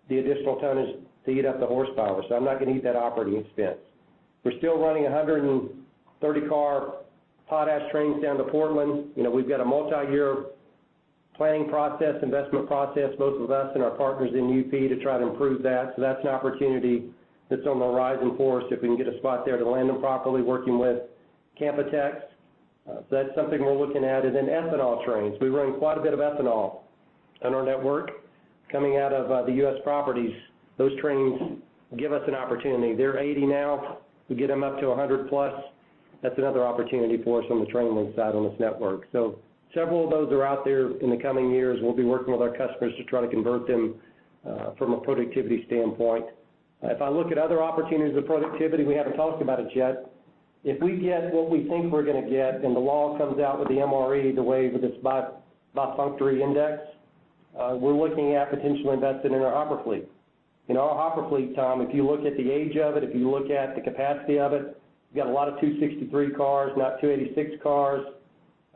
the additional tonnage to eat up the horsepower. So I'm not going to eat that operating expense. We're still running 130-car potash trains down to Portland. We've got a multi-year planning process, investment process, most of us and our partners in UP to try to improve that. So that's an opportunity that's on the horizon for us if we can get a spot there to land them properly, working with Canpotex. So that's something we're looking at. And then ethanol trains. We run quite a bit of ethanol on our network coming out of the U.S. properties. Those trains give us an opportunity. They're 80 now. We get them up to 100+. That's another opportunity for us on the train length side on this network. So several of those are out there in the coming years. We'll be working with our customers to try to convert them from a productivity standpoint. If I look at other opportunities of productivity, we haven't talked about it yet. If we get what we think we're going to get, and the law comes out with the MRE, the waiver of this bifurcated index, we're looking at potentially investing in our hopper fleet. In our hopper fleet, Tom, if you look at the age of it, if you look at the capacity of it, we've got a lot of 263 cars, not 286 cars.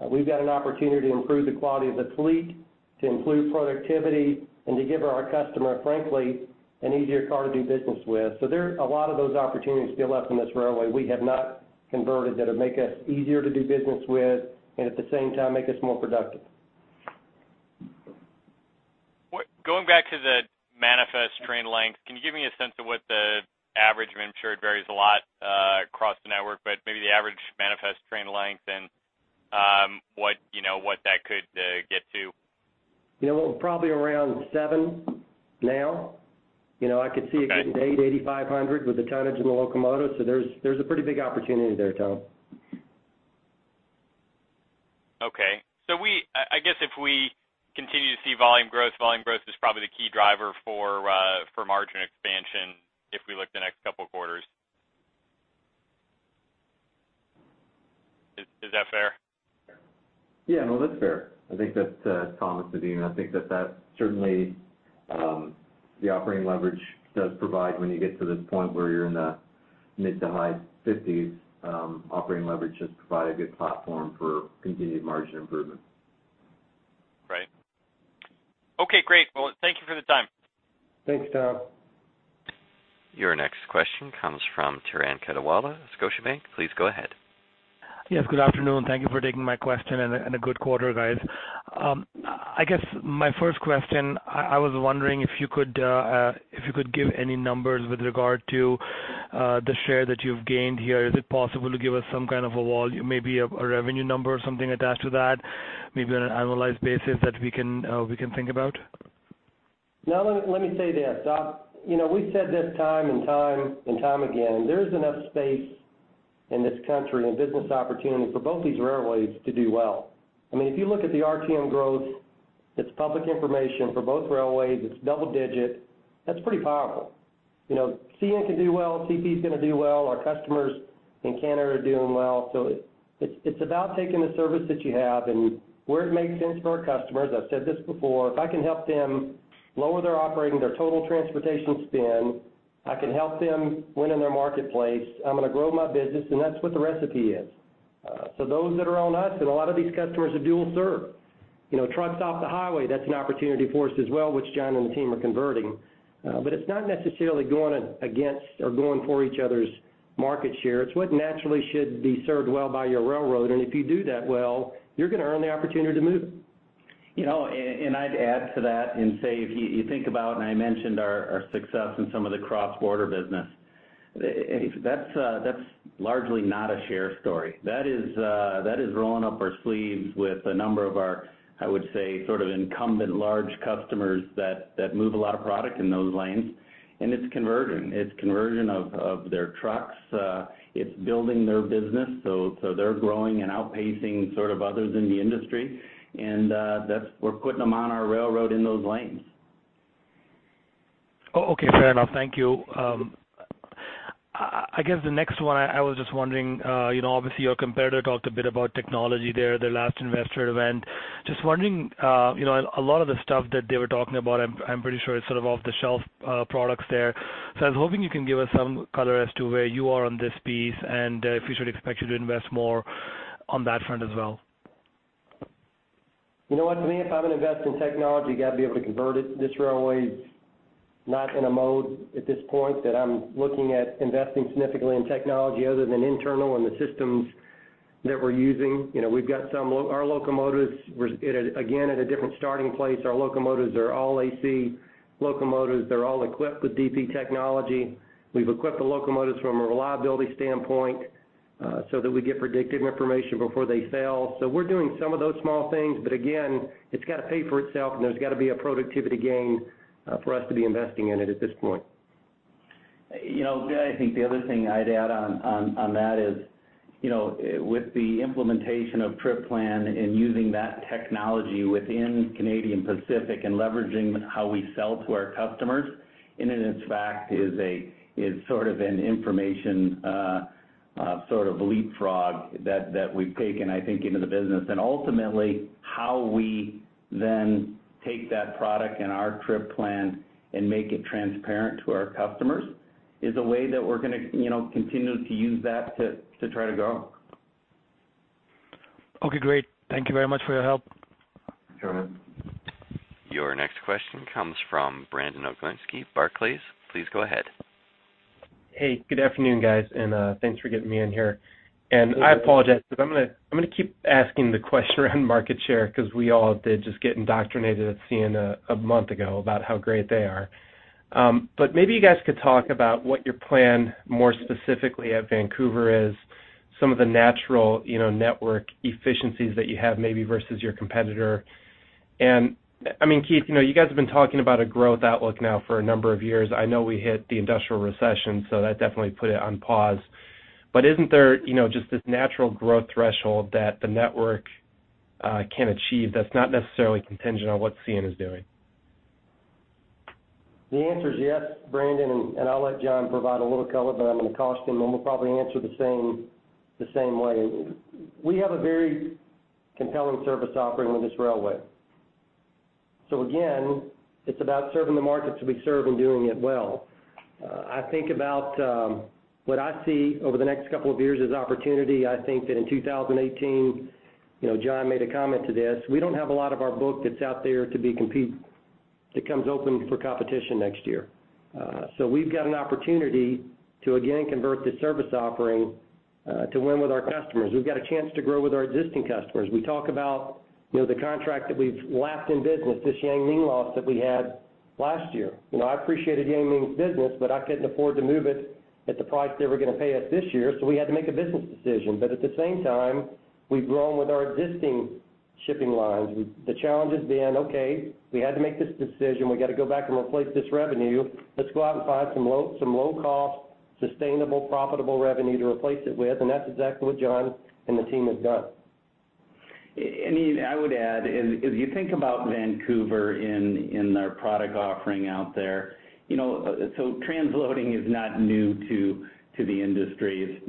We've got an opportunity to improve the quality of the fleet, to improve productivity, and to give our customer, frankly, an easier car to do business with. So a lot of those opportunities still left in this railway we have not converted that would make us easier to do business with and at the same time make us more productive. Going back to the manifest train length, can you give me a sense of what the average? I'm sure it varies a lot across the network, but maybe the average manifest train length and what that could get to? Well, probably around 7 now. I could see it getting to 8, 8,500 with the tonnage and the locomotive. So there's a pretty big opportunity there, Tom. Okay. I guess if we continue to see volume growth, volume growth is probably the key driver for margin expansion if we look the next couple of quarters. Is that fair? Yeah, no, that's fair. I think that's Thomas's view. And I think that that certainly, the operating leverage does provide when you get to this point where you're in the mid- to high 50s, operating leverage does provide a good platform for continued margin improvement. Right. Okay. Great. Well, thank you for the time. Thanks, Tom. Your next question comes from Turan Quettawala, Scotiabank. Please go ahead. Yes, good afternoon. Thank you for taking my question, and a good quarter, guys. I guess my first question, I was wondering if you could give any numbers with regard to the share that you've gained here. Is it possible to give us some kind of a ball, maybe a revenue number or something attached to that, maybe on an annualized basis that we can think about? No, let me say this, Bob. We said this time and time and time again, there is enough space in this country and business opportunity for both these railways to do well. I mean, if you look at the RTM growth, it's public information for both railways. It's double-digit. That's pretty powerful. CN can do well. CP is going to do well. Our customers in Canada are doing well. So it's about taking the service that you have and where it makes sense for our customers. I've said this before. If I can help them lower their operating, their total transportation cost, I can help them win in their marketplace. I'm going to grow my business, and that's what the recipe is. Those that are on us, and a lot of these customers are dual-serve, trucks off the highway, that's an opportunity for us as well, which John and the team are converting. But it's not necessarily going against or going for each other's market share. It's what naturally should be served well by your railroad. And if you do that well, you're going to earn the opportunity to move it. I'd add to that and say, if you think about, and I mentioned our success in some of the cross-border business, that's largely not a share story. That is rolling up our sleeves with a number of our, I would say, sort of incumbent large customers that move a lot of product in those lanes. And it's conversion. It's conversion of their trucks. It's building their business. So they're growing and outpacing sort of others in the industry. And we're putting them on our railroad in those lanes. Oh, okay. Fair enough. Thank you. I guess the next one, I was just wondering, obviously, your competitor talked a bit about technology there, their last investor event. Just wondering, a lot of the stuff that they were talking about, I'm pretty sure it's sort of off-the-shelf products there. So I was hoping you can give us some color as to where you are on this piece and if we should expect you to invest more on that front as well? You know what? To me, if I'm going to invest in technology, you got to be able to convert it. This railway's not in a mode at this point that I'm looking at investing significantly in technology other than internal and the systems that we're using. We've got some of our locomotives, again, at a different starting place. Our locomotives are all AC locomotives. They're all equipped with DP technology. We've equipped the locomotives from a reliability standpoint so that we get predictive information before they fail. So we're doing some of those small things. But again, it's got to pay for itself, and there's got to be a productivity gain for us to be investing in it at this point. I think the other thing I'd add on that is with the implementation of Trip Plan and using that technology within Canadian Pacific and leveraging how we sell to our customers, in and of itself, is sort of an information sort of leapfrog that we've taken, I think, into the business. And ultimately, how we then take that product and our Trip Plan and make it transparent to our customers is a way that we're going to continue to use that to try to grow. Okay. Great. Thank you very much for your help. Your next question comes from Brandon Oglenski, Barclays. Please go ahead. Hey, good afternoon, guys. Thanks for getting me in here. I apologize because I'm going to keep asking the question around market share because we all did just get indoctrinated at CN a month ago about how great they are. But maybe you guys could talk about what your plan more specifically at Vancouver is, some of the natural network efficiencies that you have maybe versus your competitor. I mean, Keith, you guys have been talking about a growth outlook now for a number of years. I know we hit the industrial recession, so that definitely put it on pause. But isn't there just this natural growth threshold that the network can achieve that's not necessarily contingent on what CN is doing? The answer is yes, Brandon. And I'll let John provide a little color, but I'm going to cost him, and we'll probably answer the same way. We have a very compelling service offering with this railway. So again, it's about serving the markets we serve and doing it well. I think about what I see over the next couple of years as opportunity. I think that in 2018, John made a comment to this. We don't have a lot of our book that's out there to be that comes open for competition next year. So we've got an opportunity to, again, convert this service offering to win with our customers. We've got a chance to grow with our existing customers. We talk about the contract that we've lapped in business, this Yang Ming loss that we had last year. I appreciated Yang Ming's business, but I couldn't afford to move it at the price they were going to pay us this year. So we had to make a business decision. But at the same time, we've grown with our existing shipping lines. The challenge has been, Okay, we had to make this decision. We got to go back and replace this revenue. Let's go out and find some low-cost, sustainable, profitable revenue to replace it with. And that's exactly what John and the team have done. I mean, I would add, if you think about Vancouver in their product offering out there, so transloading is not new to the industry.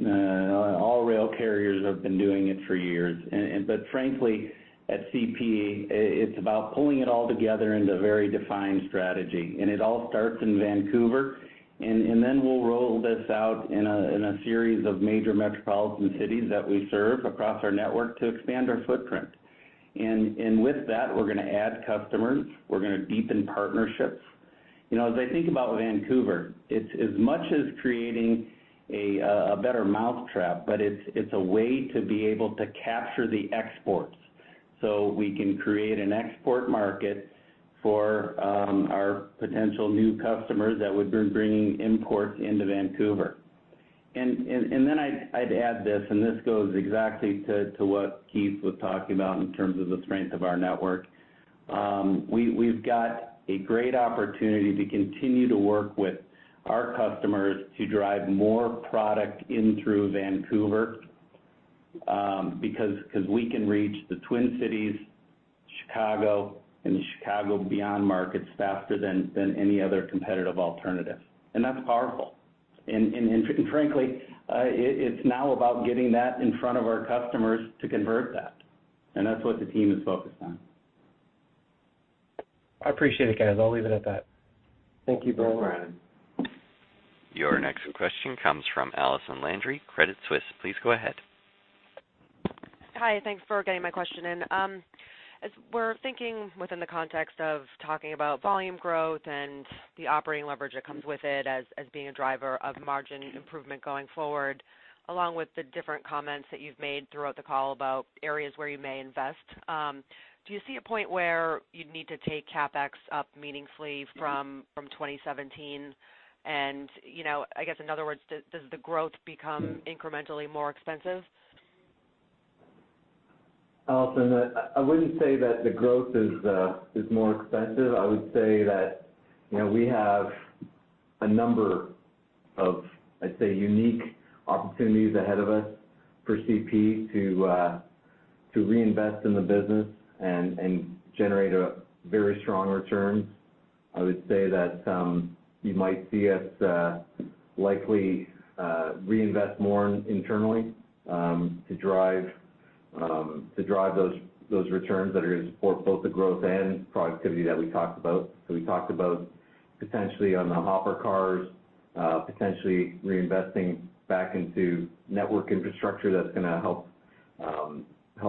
All rail carriers have been doing it for years. But frankly, at CP, it's about pulling it all together into a very defined strategy. It all starts in Vancouver. Then we'll roll this out in a series of major metropolitan cities that we serve across our network to expand our footprint. With that, we're going to add customers. We're going to deepen partnerships. As I think about Vancouver, it's as much as creating a better mousetrap, but it's a way to be able to capture the exports so we can create an export market for our potential new customers that would be bringing imports into Vancouver. And then I'd add this, and this goes exactly to what Keith was talking about in terms of the strength of our network. We've got a great opportunity to continue to work with our customers to drive more product in through Vancouver because we can reach the Twin Cities, Chicago, and the Chicago Beyond markets faster than any other competitive alternative. And that's powerful. And frankly, it's now about getting that in front of our customers to convert that. And that's what the team is focused on. I appreciate it, guys. I'll leave it at that. Thank you, Brandon. Your next question comes from Allison Landry, Credit Suisse. Please go ahead. Hi. Thanks for getting my question in. As we're thinking within the context of talking about volume growth and the operating leverage that comes with it as being a driver of margin improvement going forward, along with the different comments that you've made throughout the call about areas where you may invest, do you see a point where you'd need to take CAPEX up meaningfully from 2017? And I guess, in other words, does the growth become incrementally more expensive? Allison, I wouldn't say that the growth is more expensive. I would say that we have a number of, I'd say, unique opportunities ahead of us for CP to reinvest in the business and generate very strong returns. I would say that you might see us likely reinvest more internally to drive those returns that are going to support both the growth and productivity that we talked about. So we talked about potentially on the hopper cars, potentially reinvesting back into network infrastructure that's going to help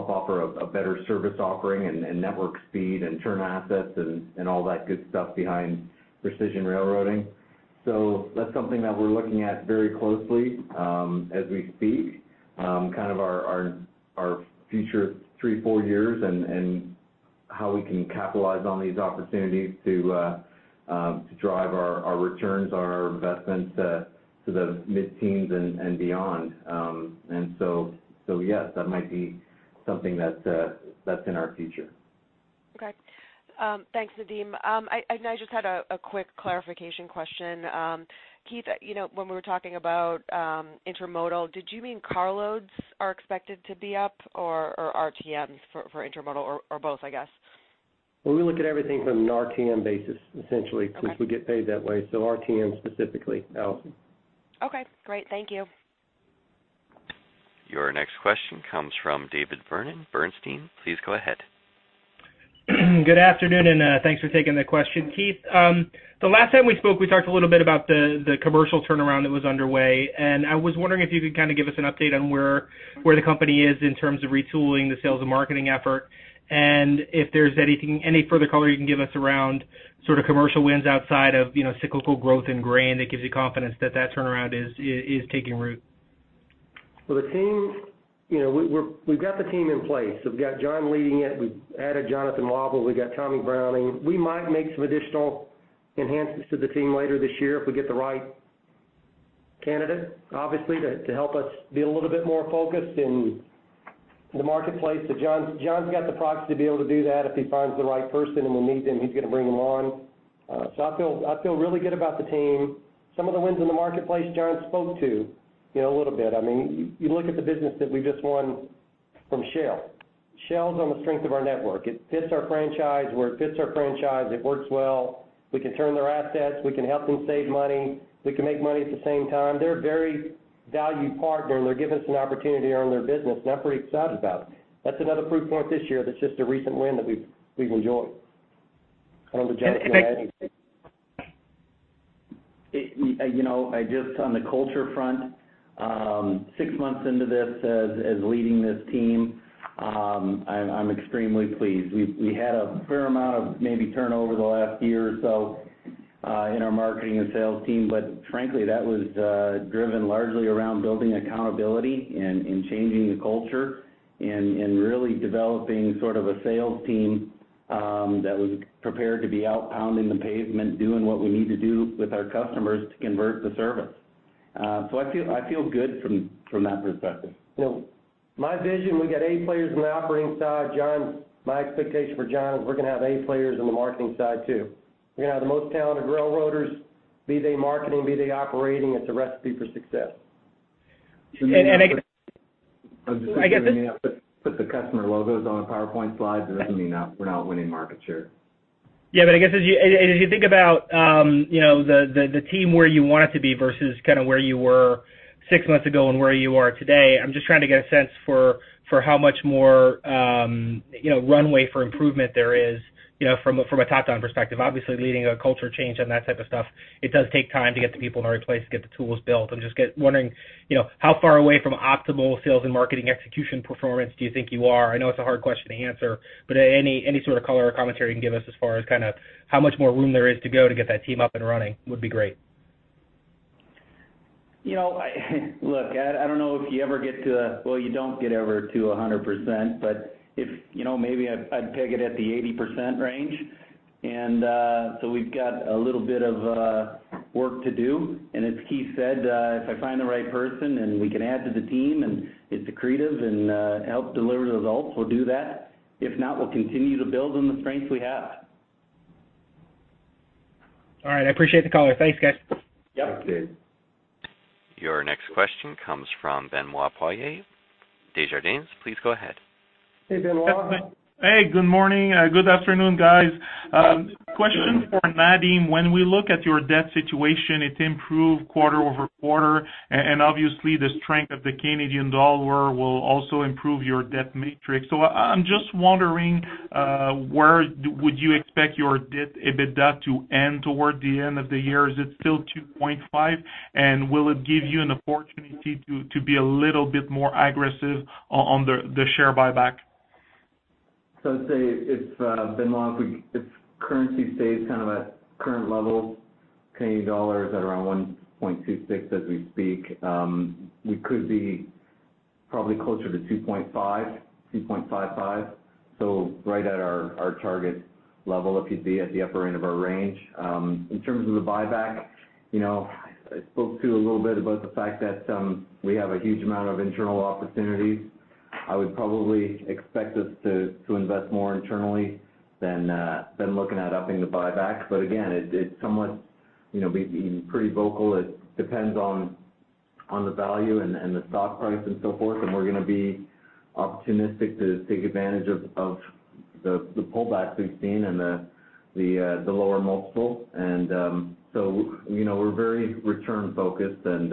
offer a better service offering and network speed and turn assets and all that good stuff behind Precision Railroading. So that's something that we're looking at very closely as we speak, kind of our future three, four years, and how we can capitalize on these opportunities to drive our returns, our investments to the mid-teens and beyond. Yes, that might be something that's in our future. Okay. Thanks, Nadeem. I just had a quick clarification question. Keith, when we were talking about intermodal, did you mean car loads are expected to be up or RTMs for intermodal or both, I guess? Well, we look at everything from an RTM basis, essentially, because we get paid that way. So RTM specifically, Allison. Okay. Great. Thank you. Your next question comes from David Vernon, Bernstein. Please go ahead. Good afternoon, and thanks for taking the question, Keith. The last time we spoke, we talked a little bit about the commercial turnaround that was underway. I was wondering if you could kind of give us an update on where the company is in terms of retooling, the sales, and marketing effort, and if there's any further color you can give us around sort of commercial wins outside of cyclical growth and grain that gives you confidence that that turnaround is taking root. Well, the team, we've got the team in place. We've got John leading it. We've added Jonathan Wahba. We've got Tommy Browning. We might make some additional enhancements to the team later this year if we get the right candidate, obviously, to help us be a little bit more focused in the marketplace. But John's got the proxy to be able to do that if he finds the right person, and when we need them, he's going to bring them on. So I feel really good about the team. Some of the wins in the marketplace John spoke to a little bit. I mean, you look at the business that we've just won from Shell. Shell's on the strength of our network. It fits our franchise. Where it fits our franchise, it works well. We can turn their assets. We can help them save money. We can make money at the same time. They're a very valued partner, and they're giving us an opportunity to earn their business. I'm pretty excited about it. That's another proof point this year that's just a recent win that we've enjoyed. I don't know if Jonathan can add anything. Just on the culture front, six months into this as leading this team, I'm extremely pleased. We had a fair amount of maybe turnover the last year or so in our marketing and sales team. But frankly, that was driven largely around building accountability and changing the culture and really developing sort of a sales team that was prepared to be out pounding the pavement, doing what we need to do with our customers to convert the service. So I feel good from that perspective. My vision, we got eight players on the operating side. My expectation for John is we're going to have eight players on the marketing side too. We're going to have the most talented railroaders, be they marketing, be they operating. It's a recipe for success. I guess. I'm just trying to put the customer logos on the PowerPoint slides. It doesn't mean we're not winning market share. Yeah. But I guess as you think about the team where you want it to be versus kind of where you were six months ago and where you are today, I'm just trying to get a sense for how much more runway for improvement there is from a top-down perspective. Obviously, leading a culture change and that type of stuff, it does take time to get the people in the right place, get the tools built. I'm just wondering, how far away from optimal sales and marketing execution performance do you think you are? I know it's a hard question to answer, but any sort of color or commentary you can give us as far as kind of how much more room there is to go to get that team up and running would be great. Look, I don't know if you ever get to a level. You don't ever get to 100%, but maybe I'd peg it at the 80% range. And so we've got a little bit of work to do. And as Keith said, if I find the right person and we can add to the team and get disruptive and help deliver the results, we'll do that. If not, we'll continue to build on the strengths we have. All right. I appreciate the call. Thanks, guys. Yep. Your next question comes from Benoit Poirier. Desjardins, please go ahead. Hey, Benoit. Hey. Good morning. Good afternoon, guys. Question for Nadeem. When we look at your debt situation, it improved quarter-over-quarter. And obviously, the strength of the Canadian dollar will also improve your debt matrix. So I'm just wondering, where would you expect your EBITDA to end toward the end of the year? Is it still 2.5? And will it give you an opportunity to be a little bit more aggressive on the share buyback? So I'd say if Benoit, if currency stays kind of at current levels, Canadian dollar is at around 1.26 as we speak. We could be probably closer to 2.5, 2.55, so right at our target level if you'd be at the upper end of our range. In terms of the buyback, I spoke to a little bit about the fact that we have a huge amount of internal opportunities. I would probably expect us to invest more internally than looking at upping the buyback. But again, it's somewhat pretty vocal. It depends on the value and the stock price and so forth. And we're going to be opportunistic to take advantage of the pullbacks we've seen and the lower multiple. And so we're very return-focused as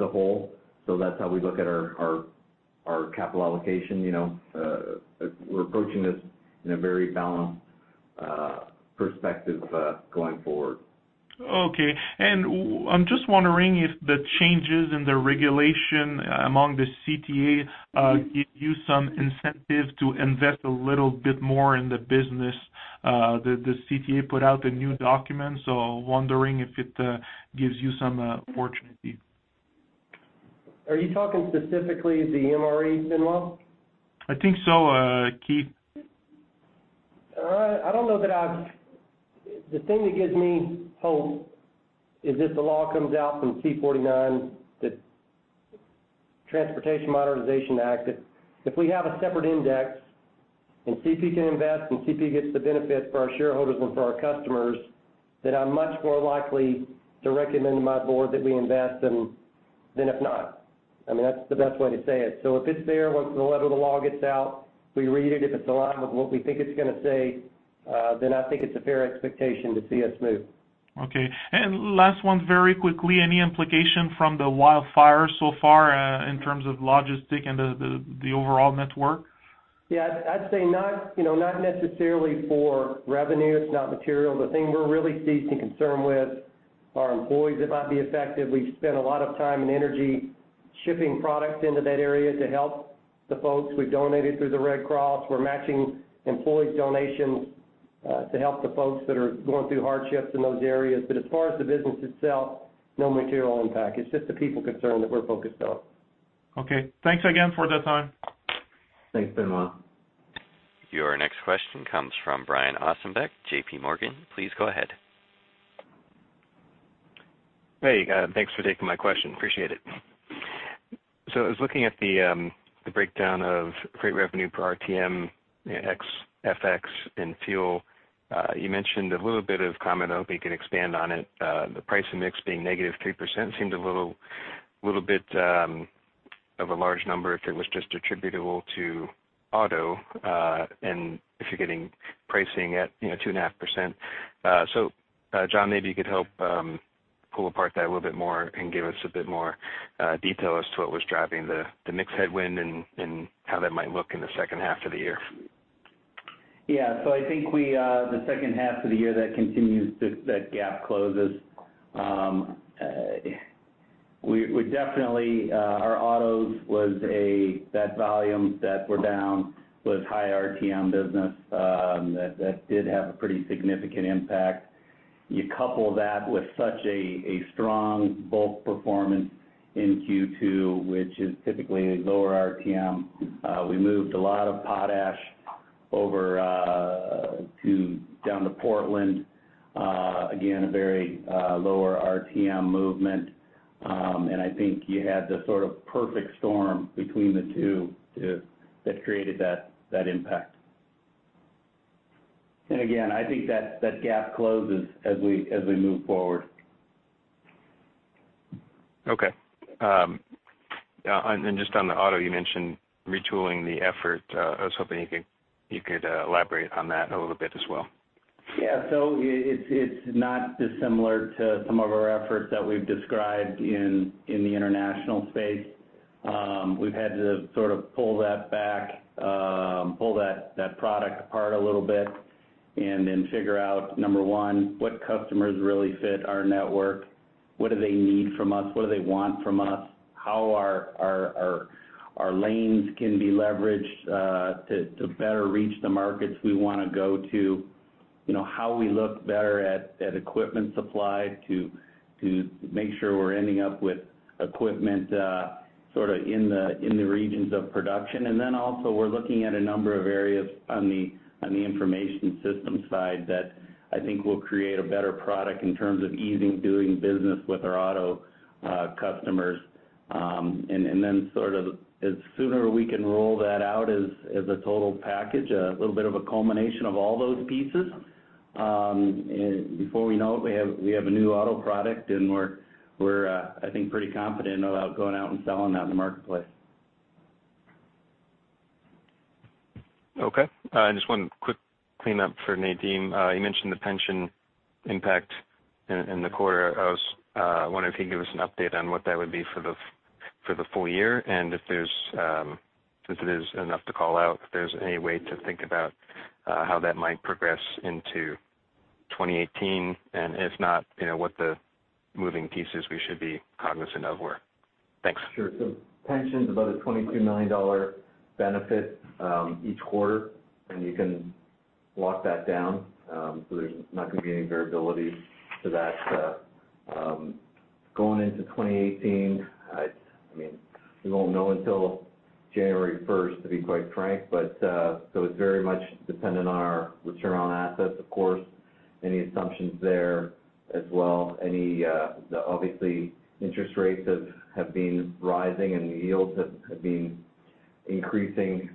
a whole. So that's how we look at our capital allocation. We're approaching this in a very balanced perspective going forward. Okay. I'm just wondering if the changes in the regulation among the CTA give you some incentive to invest a little bit more in the business? The CTA put out a new document. Wondering if it gives you some opportunity? Are you talking specifically the MRE, Benoit? I think so, Keith. I don't know. The thing that gives me hope is if the law comes out from C-49, the Transportation Modernization Act, if we have a separate index and CP can invest and CP gets the benefit for our shareholders and for our customers, then I'm much more likely to recommend to my board that we invest than if not. I mean, that's the best way to say it. So if it's there, once the letter of the law gets out, we read it. If it's aligned with what we think it's going to say, then I think it's a fair expectation to see us move. Okay. And last one, very quickly, any implication from the wildfire so far in terms of logistics and the overall network? Yeah. I'd say not necessarily for revenue. It's not material. The thing we're really seized with concern with our employees; it might affect them. We've spent a lot of time and energy shipping products into that area to help the folks. We've donated through the Red Cross. We're matching employees' donations to help the folks that are going through hardships in those areas. But as far as the business itself, no material impact. It's just the people's concern that we're focused on. Okay. Thanks again for the time. Thanks, Benoit. Your next question comes from Brian Ossenbeck, JPMorgan. Please go ahead. Hey, thanks for taking my question. Appreciate it. So I was looking at the breakdown of grain revenue per RTM, FX, and fuel. You mentioned a little bit of comment. I hope you can expand on it. The price mix being -3% seemed a little bit of a large number if it was just attributable to auto and if you're getting pricing at 2.5%. So John, maybe you could help pull apart that a little bit more and give us a bit more detail as to what was driving the mix headwind and how that might look in the second half of the year. Yeah. So I think the second half of the year that continues to that gap closes. Our autos was a that volume that were down was high RTM business that did have a pretty significant impact. You couple that with such a strong bulk performance in Q2, which is typically a lower RTM. We moved a lot of potash down to Portland. Again, a very lower RTM movement. And I think you had the sort of perfect storm between the two that created that impact. And again, I think that gap closes as we move forward. Okay. And just on the auto, you mentioned retooling the effort. I was hoping you could elaborate on that a little bit as well. Yeah. So it's not dissimilar to some of our efforts that we've described in the international space. We've had to sort of pull that back, pull that product apart a little bit, and then figure out, number one, what customers really fit our network? What do they need from us? What do they want from us? How our lanes can be leveraged to better reach the markets we want to go to? How we look better at equipment supply to make sure we're ending up with equipment sort of in the regions of production? And then also, we're looking at a number of areas on the information system side that I think will create a better product in terms of easing doing business with our auto customers. And then, sort of as soon as we can roll that out as a total package, a little bit of a culmination of all those pieces, before we know it, we have a new auto product, and we're, I think, pretty confident about going out and selling that in the marketplace. Okay. Just one quick cleanup for Nadeem. You mentioned the pension impact in the quarter. I was wondering if you could give us an update on what that would be for the full year and if it is enough to call out, if there's any way to think about how that might progress into 2018, and if not, what the moving pieces we should be cognizant of were. Thanks. Sure. So pensions about a $22 million benefit each quarter, and you can lock that down. So there's not going to be any variability to that. Going into 2018, I mean, we won't know until January 1st, to be quite frank. So it's very much dependent on our return on assets, of course, any assumptions there as well. Obviously, interest rates have been rising, and the yields have been increasing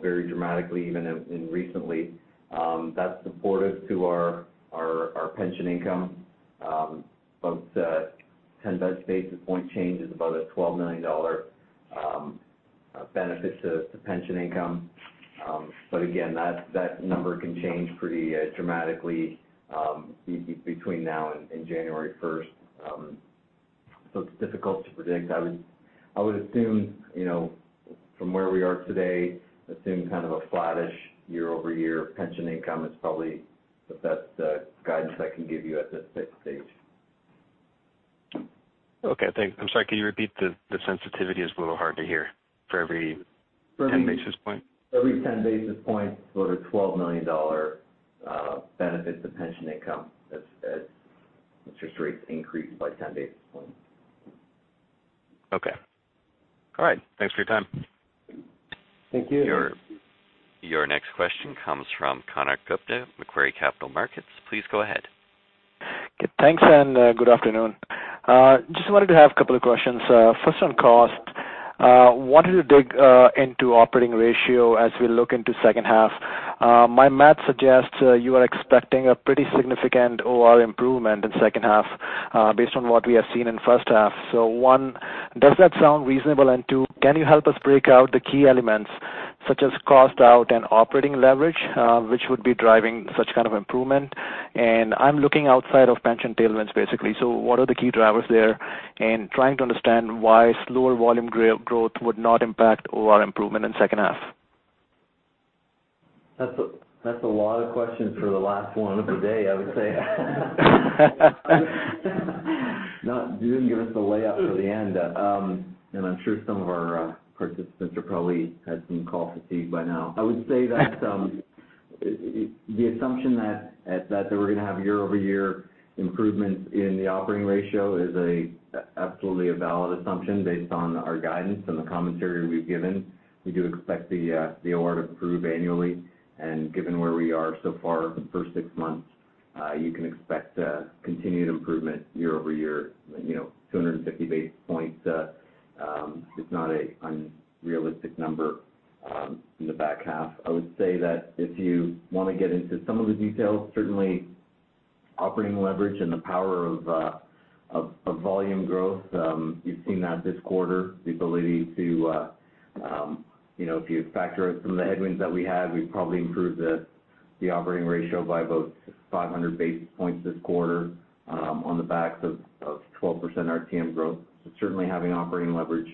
very dramatically, even recently. That's supportive to our pension income. About 10 basis points change is about a $12 million benefit to pension income. But again, that number can change pretty dramatically between now and January 1st. So it's difficult to predict. I would assume from where we are today, assume kind of a flattish year-over-year pension income is probably the best guidance I can give you at this stage. Okay. I'm sorry. Can you repeat? The sensitivity is a little hard to hear for every 10 basis points. Every 10 basis points, about a $12 million benefit to pension income as interest rates increase by 10 basis points. Okay. All right. Thanks for your time. Thank you. Your next question comes from Konark Gupta, Macquarie Capital Markets. Please go ahead. Good. Thanks, and good afternoon. Just wanted to have a couple of questions. First on cost. Wanted to dig into operating ratio as we look into second half. My math suggests you are expecting a pretty significant OR improvement in second half based on what we have seen in first half. So one, does that sound reasonable? And two, can you help us break out the key elements such as cost out and operating leverage, which would be driving such kind of improvement? And I'm looking outside of pension tailwinds, basically. So what are the key drivers there and trying to understand why slower volume growth would not impact OR improvement in second half? That's a lot of questions for the last one of the day, I would say. You didn't give us the layout for the end, and I'm sure some of our participants have probably had some call fatigue by now. I would say that the assumption that we're going to have year-over-year improvements in the operating ratio is absolutely a valid assumption based on our guidance and the commentary we've given. We do expect the OR to improve annually. And given where we are so far the first six months, you can expect continued improvement year over year, 250 basis points. It's not an unrealistic number in the back half. I would say that if you want to get into some of the details, certainly operating leverage and the power of volume growth. You've seen that this quarter, the ability to if you factor out some of the headwinds that we had, we've probably improved the operating ratio by about 500 basis points this quarter on the backs of 12% RTM growth. So certainly, having operating leverage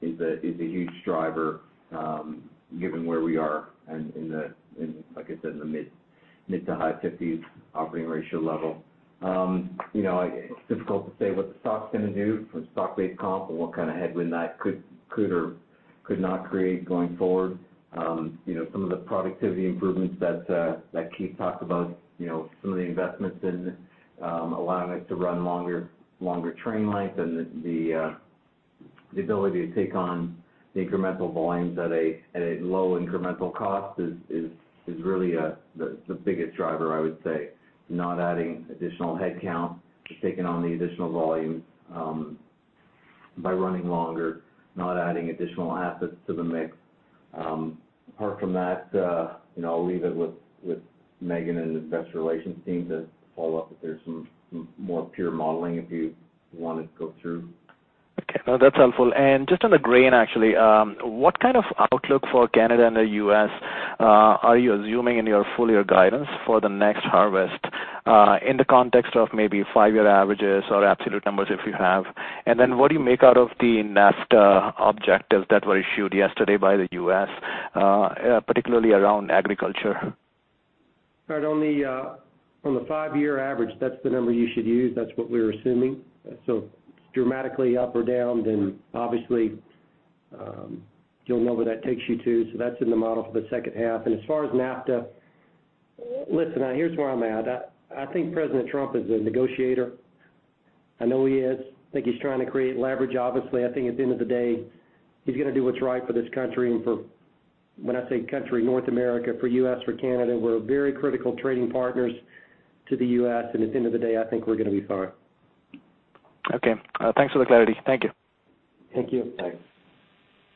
is a huge driver given where we are and, like I said, in the mid- to high-50s operating ratio level. It's difficult to say what the stock's going to do from stock-based comp and what kind of headwind that could or could not create going forward. Some of the productivity improvements that Keith talked about, some of the investments in allowing us to run longer train length and the ability to take on the incremental volumes at a low incremental cost is really the biggest driver, I would say. Not adding additional headcount is taking on the additional volumes by running longer, not adding additional assets to the mix. Apart from that, I'll leave it with Megan and the Investor Relations team to follow up if there's some more pure modeling if you want to go through. Okay. No, that's helpful. And just on the grain, actually, what kind of outlook for Canada and the U.S. are you assuming in your full year guidance for the next harvest in the context of maybe five-year averages or absolute numbers if you have? And then what do you make out of the NAFTA objectives that were issued yesterday by the U.S., particularly around agriculture? On the five-year average, that's the number you should use. That's what we're assuming. So it's dramatically up or down, then obviously, you'll know where that takes you to. So that's in the model for the second half. And as far as NAFTA, listen, here's where I'm at. I think President Trump is a negotiator. I know he is. I think he's trying to create leverage, obviously. I think at the end of the day, he's going to do what's right for this country. And when I say country, North America, for U.S., for Canada, we're very critical trading partners to the U.S. And at the end of the day, I think we're going to be fine. Okay. Thanks for the clarity. Thank you. Thank you. Bye.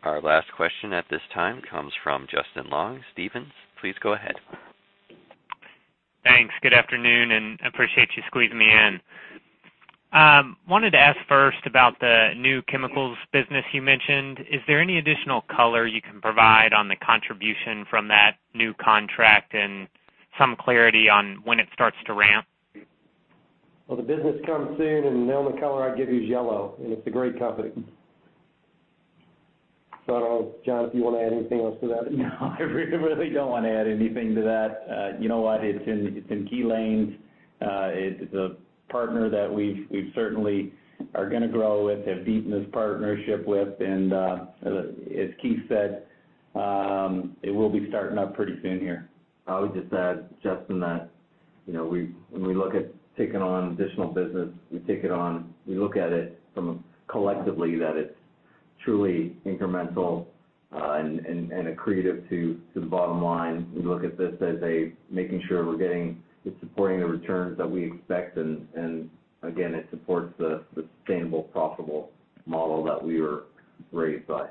Our last question at this time comes from Justin Long. Stephens, please go ahead. Thanks. Good afternoon, and I appreciate you squeezing me in. Wanted to ask first about the new chemicals business you mentioned. Is there any additional color you can provide on the contribution from that new contract and some clarity on when it starts to ramp? Well, the business comes soon, and the only color I'd give you is yellow, and it's a great company. I don't know, John, if you want to add anything else to that. No, I really don't want to add anything to that. You know what? It's in key lanes. It's a partner that we certainly are going to grow with, have deepened this partnership with. And as Keith said, it will be starting up pretty soon here. I would just add, Justin, that when we look at taking on additional business, we take it on we look at it collectively that it's truly incremental and accretive to the bottom line. We look at this as making sure we're getting it's supporting the returns that we expect. And again, it supports the sustainable, profitable model that we were raised by.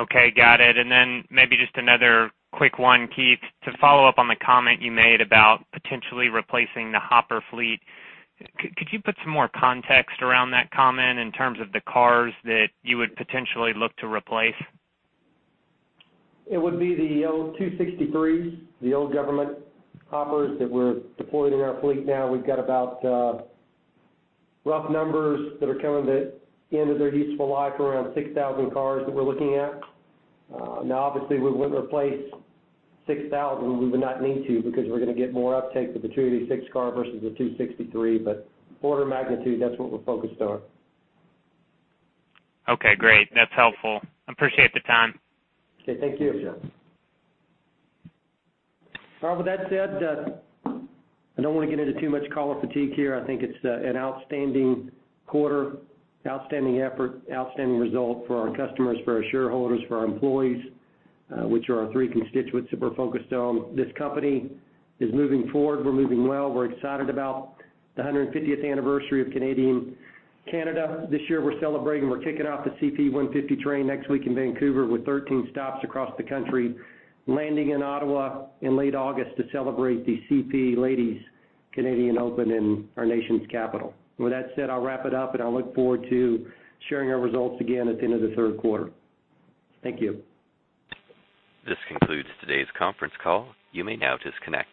Okay. Got it. And then maybe just another quick one, Keith, to follow up on the comment you made about potentially replacing the hopper fleet, could you put some more context around that comment in terms of the cars that you would potentially look to replace? It would be the old 263s, the old government hoppers that we're deployed in our fleet now. We've got about rough numbers that are coming to the end of their useful life around 6,000 cars that we're looking at. Now, obviously, we wouldn't replace 6,000. We would not need to because we're going to get more uptake with the 286 car versus the 263. But order magnitude, that's what we're focused on. Okay. Great. That's helpful. I appreciate the time. Okay. Thank you. All right. With that said, I don't want to get into too much caller fatigue here. I think it's an outstanding quarter, outstanding effort, outstanding result for our customers, for our shareholders, for our employees, which are our three constituents that we're focused on. This company is moving forward. We're moving well. We're excited about the 150th anniversary of Canada. This year, we're celebrating. We're kicking off the CP 150 Train next week in Vancouver with 13 stops across the country, landing in Ottawa in late August to celebrate the CP Ladies Canadian Open in our nation's capital. With that said, I'll wrap it up, and I look forward to sharing our results again at the end of the third quarter. Thank you. This concludes today's conference call. You may now disconnect.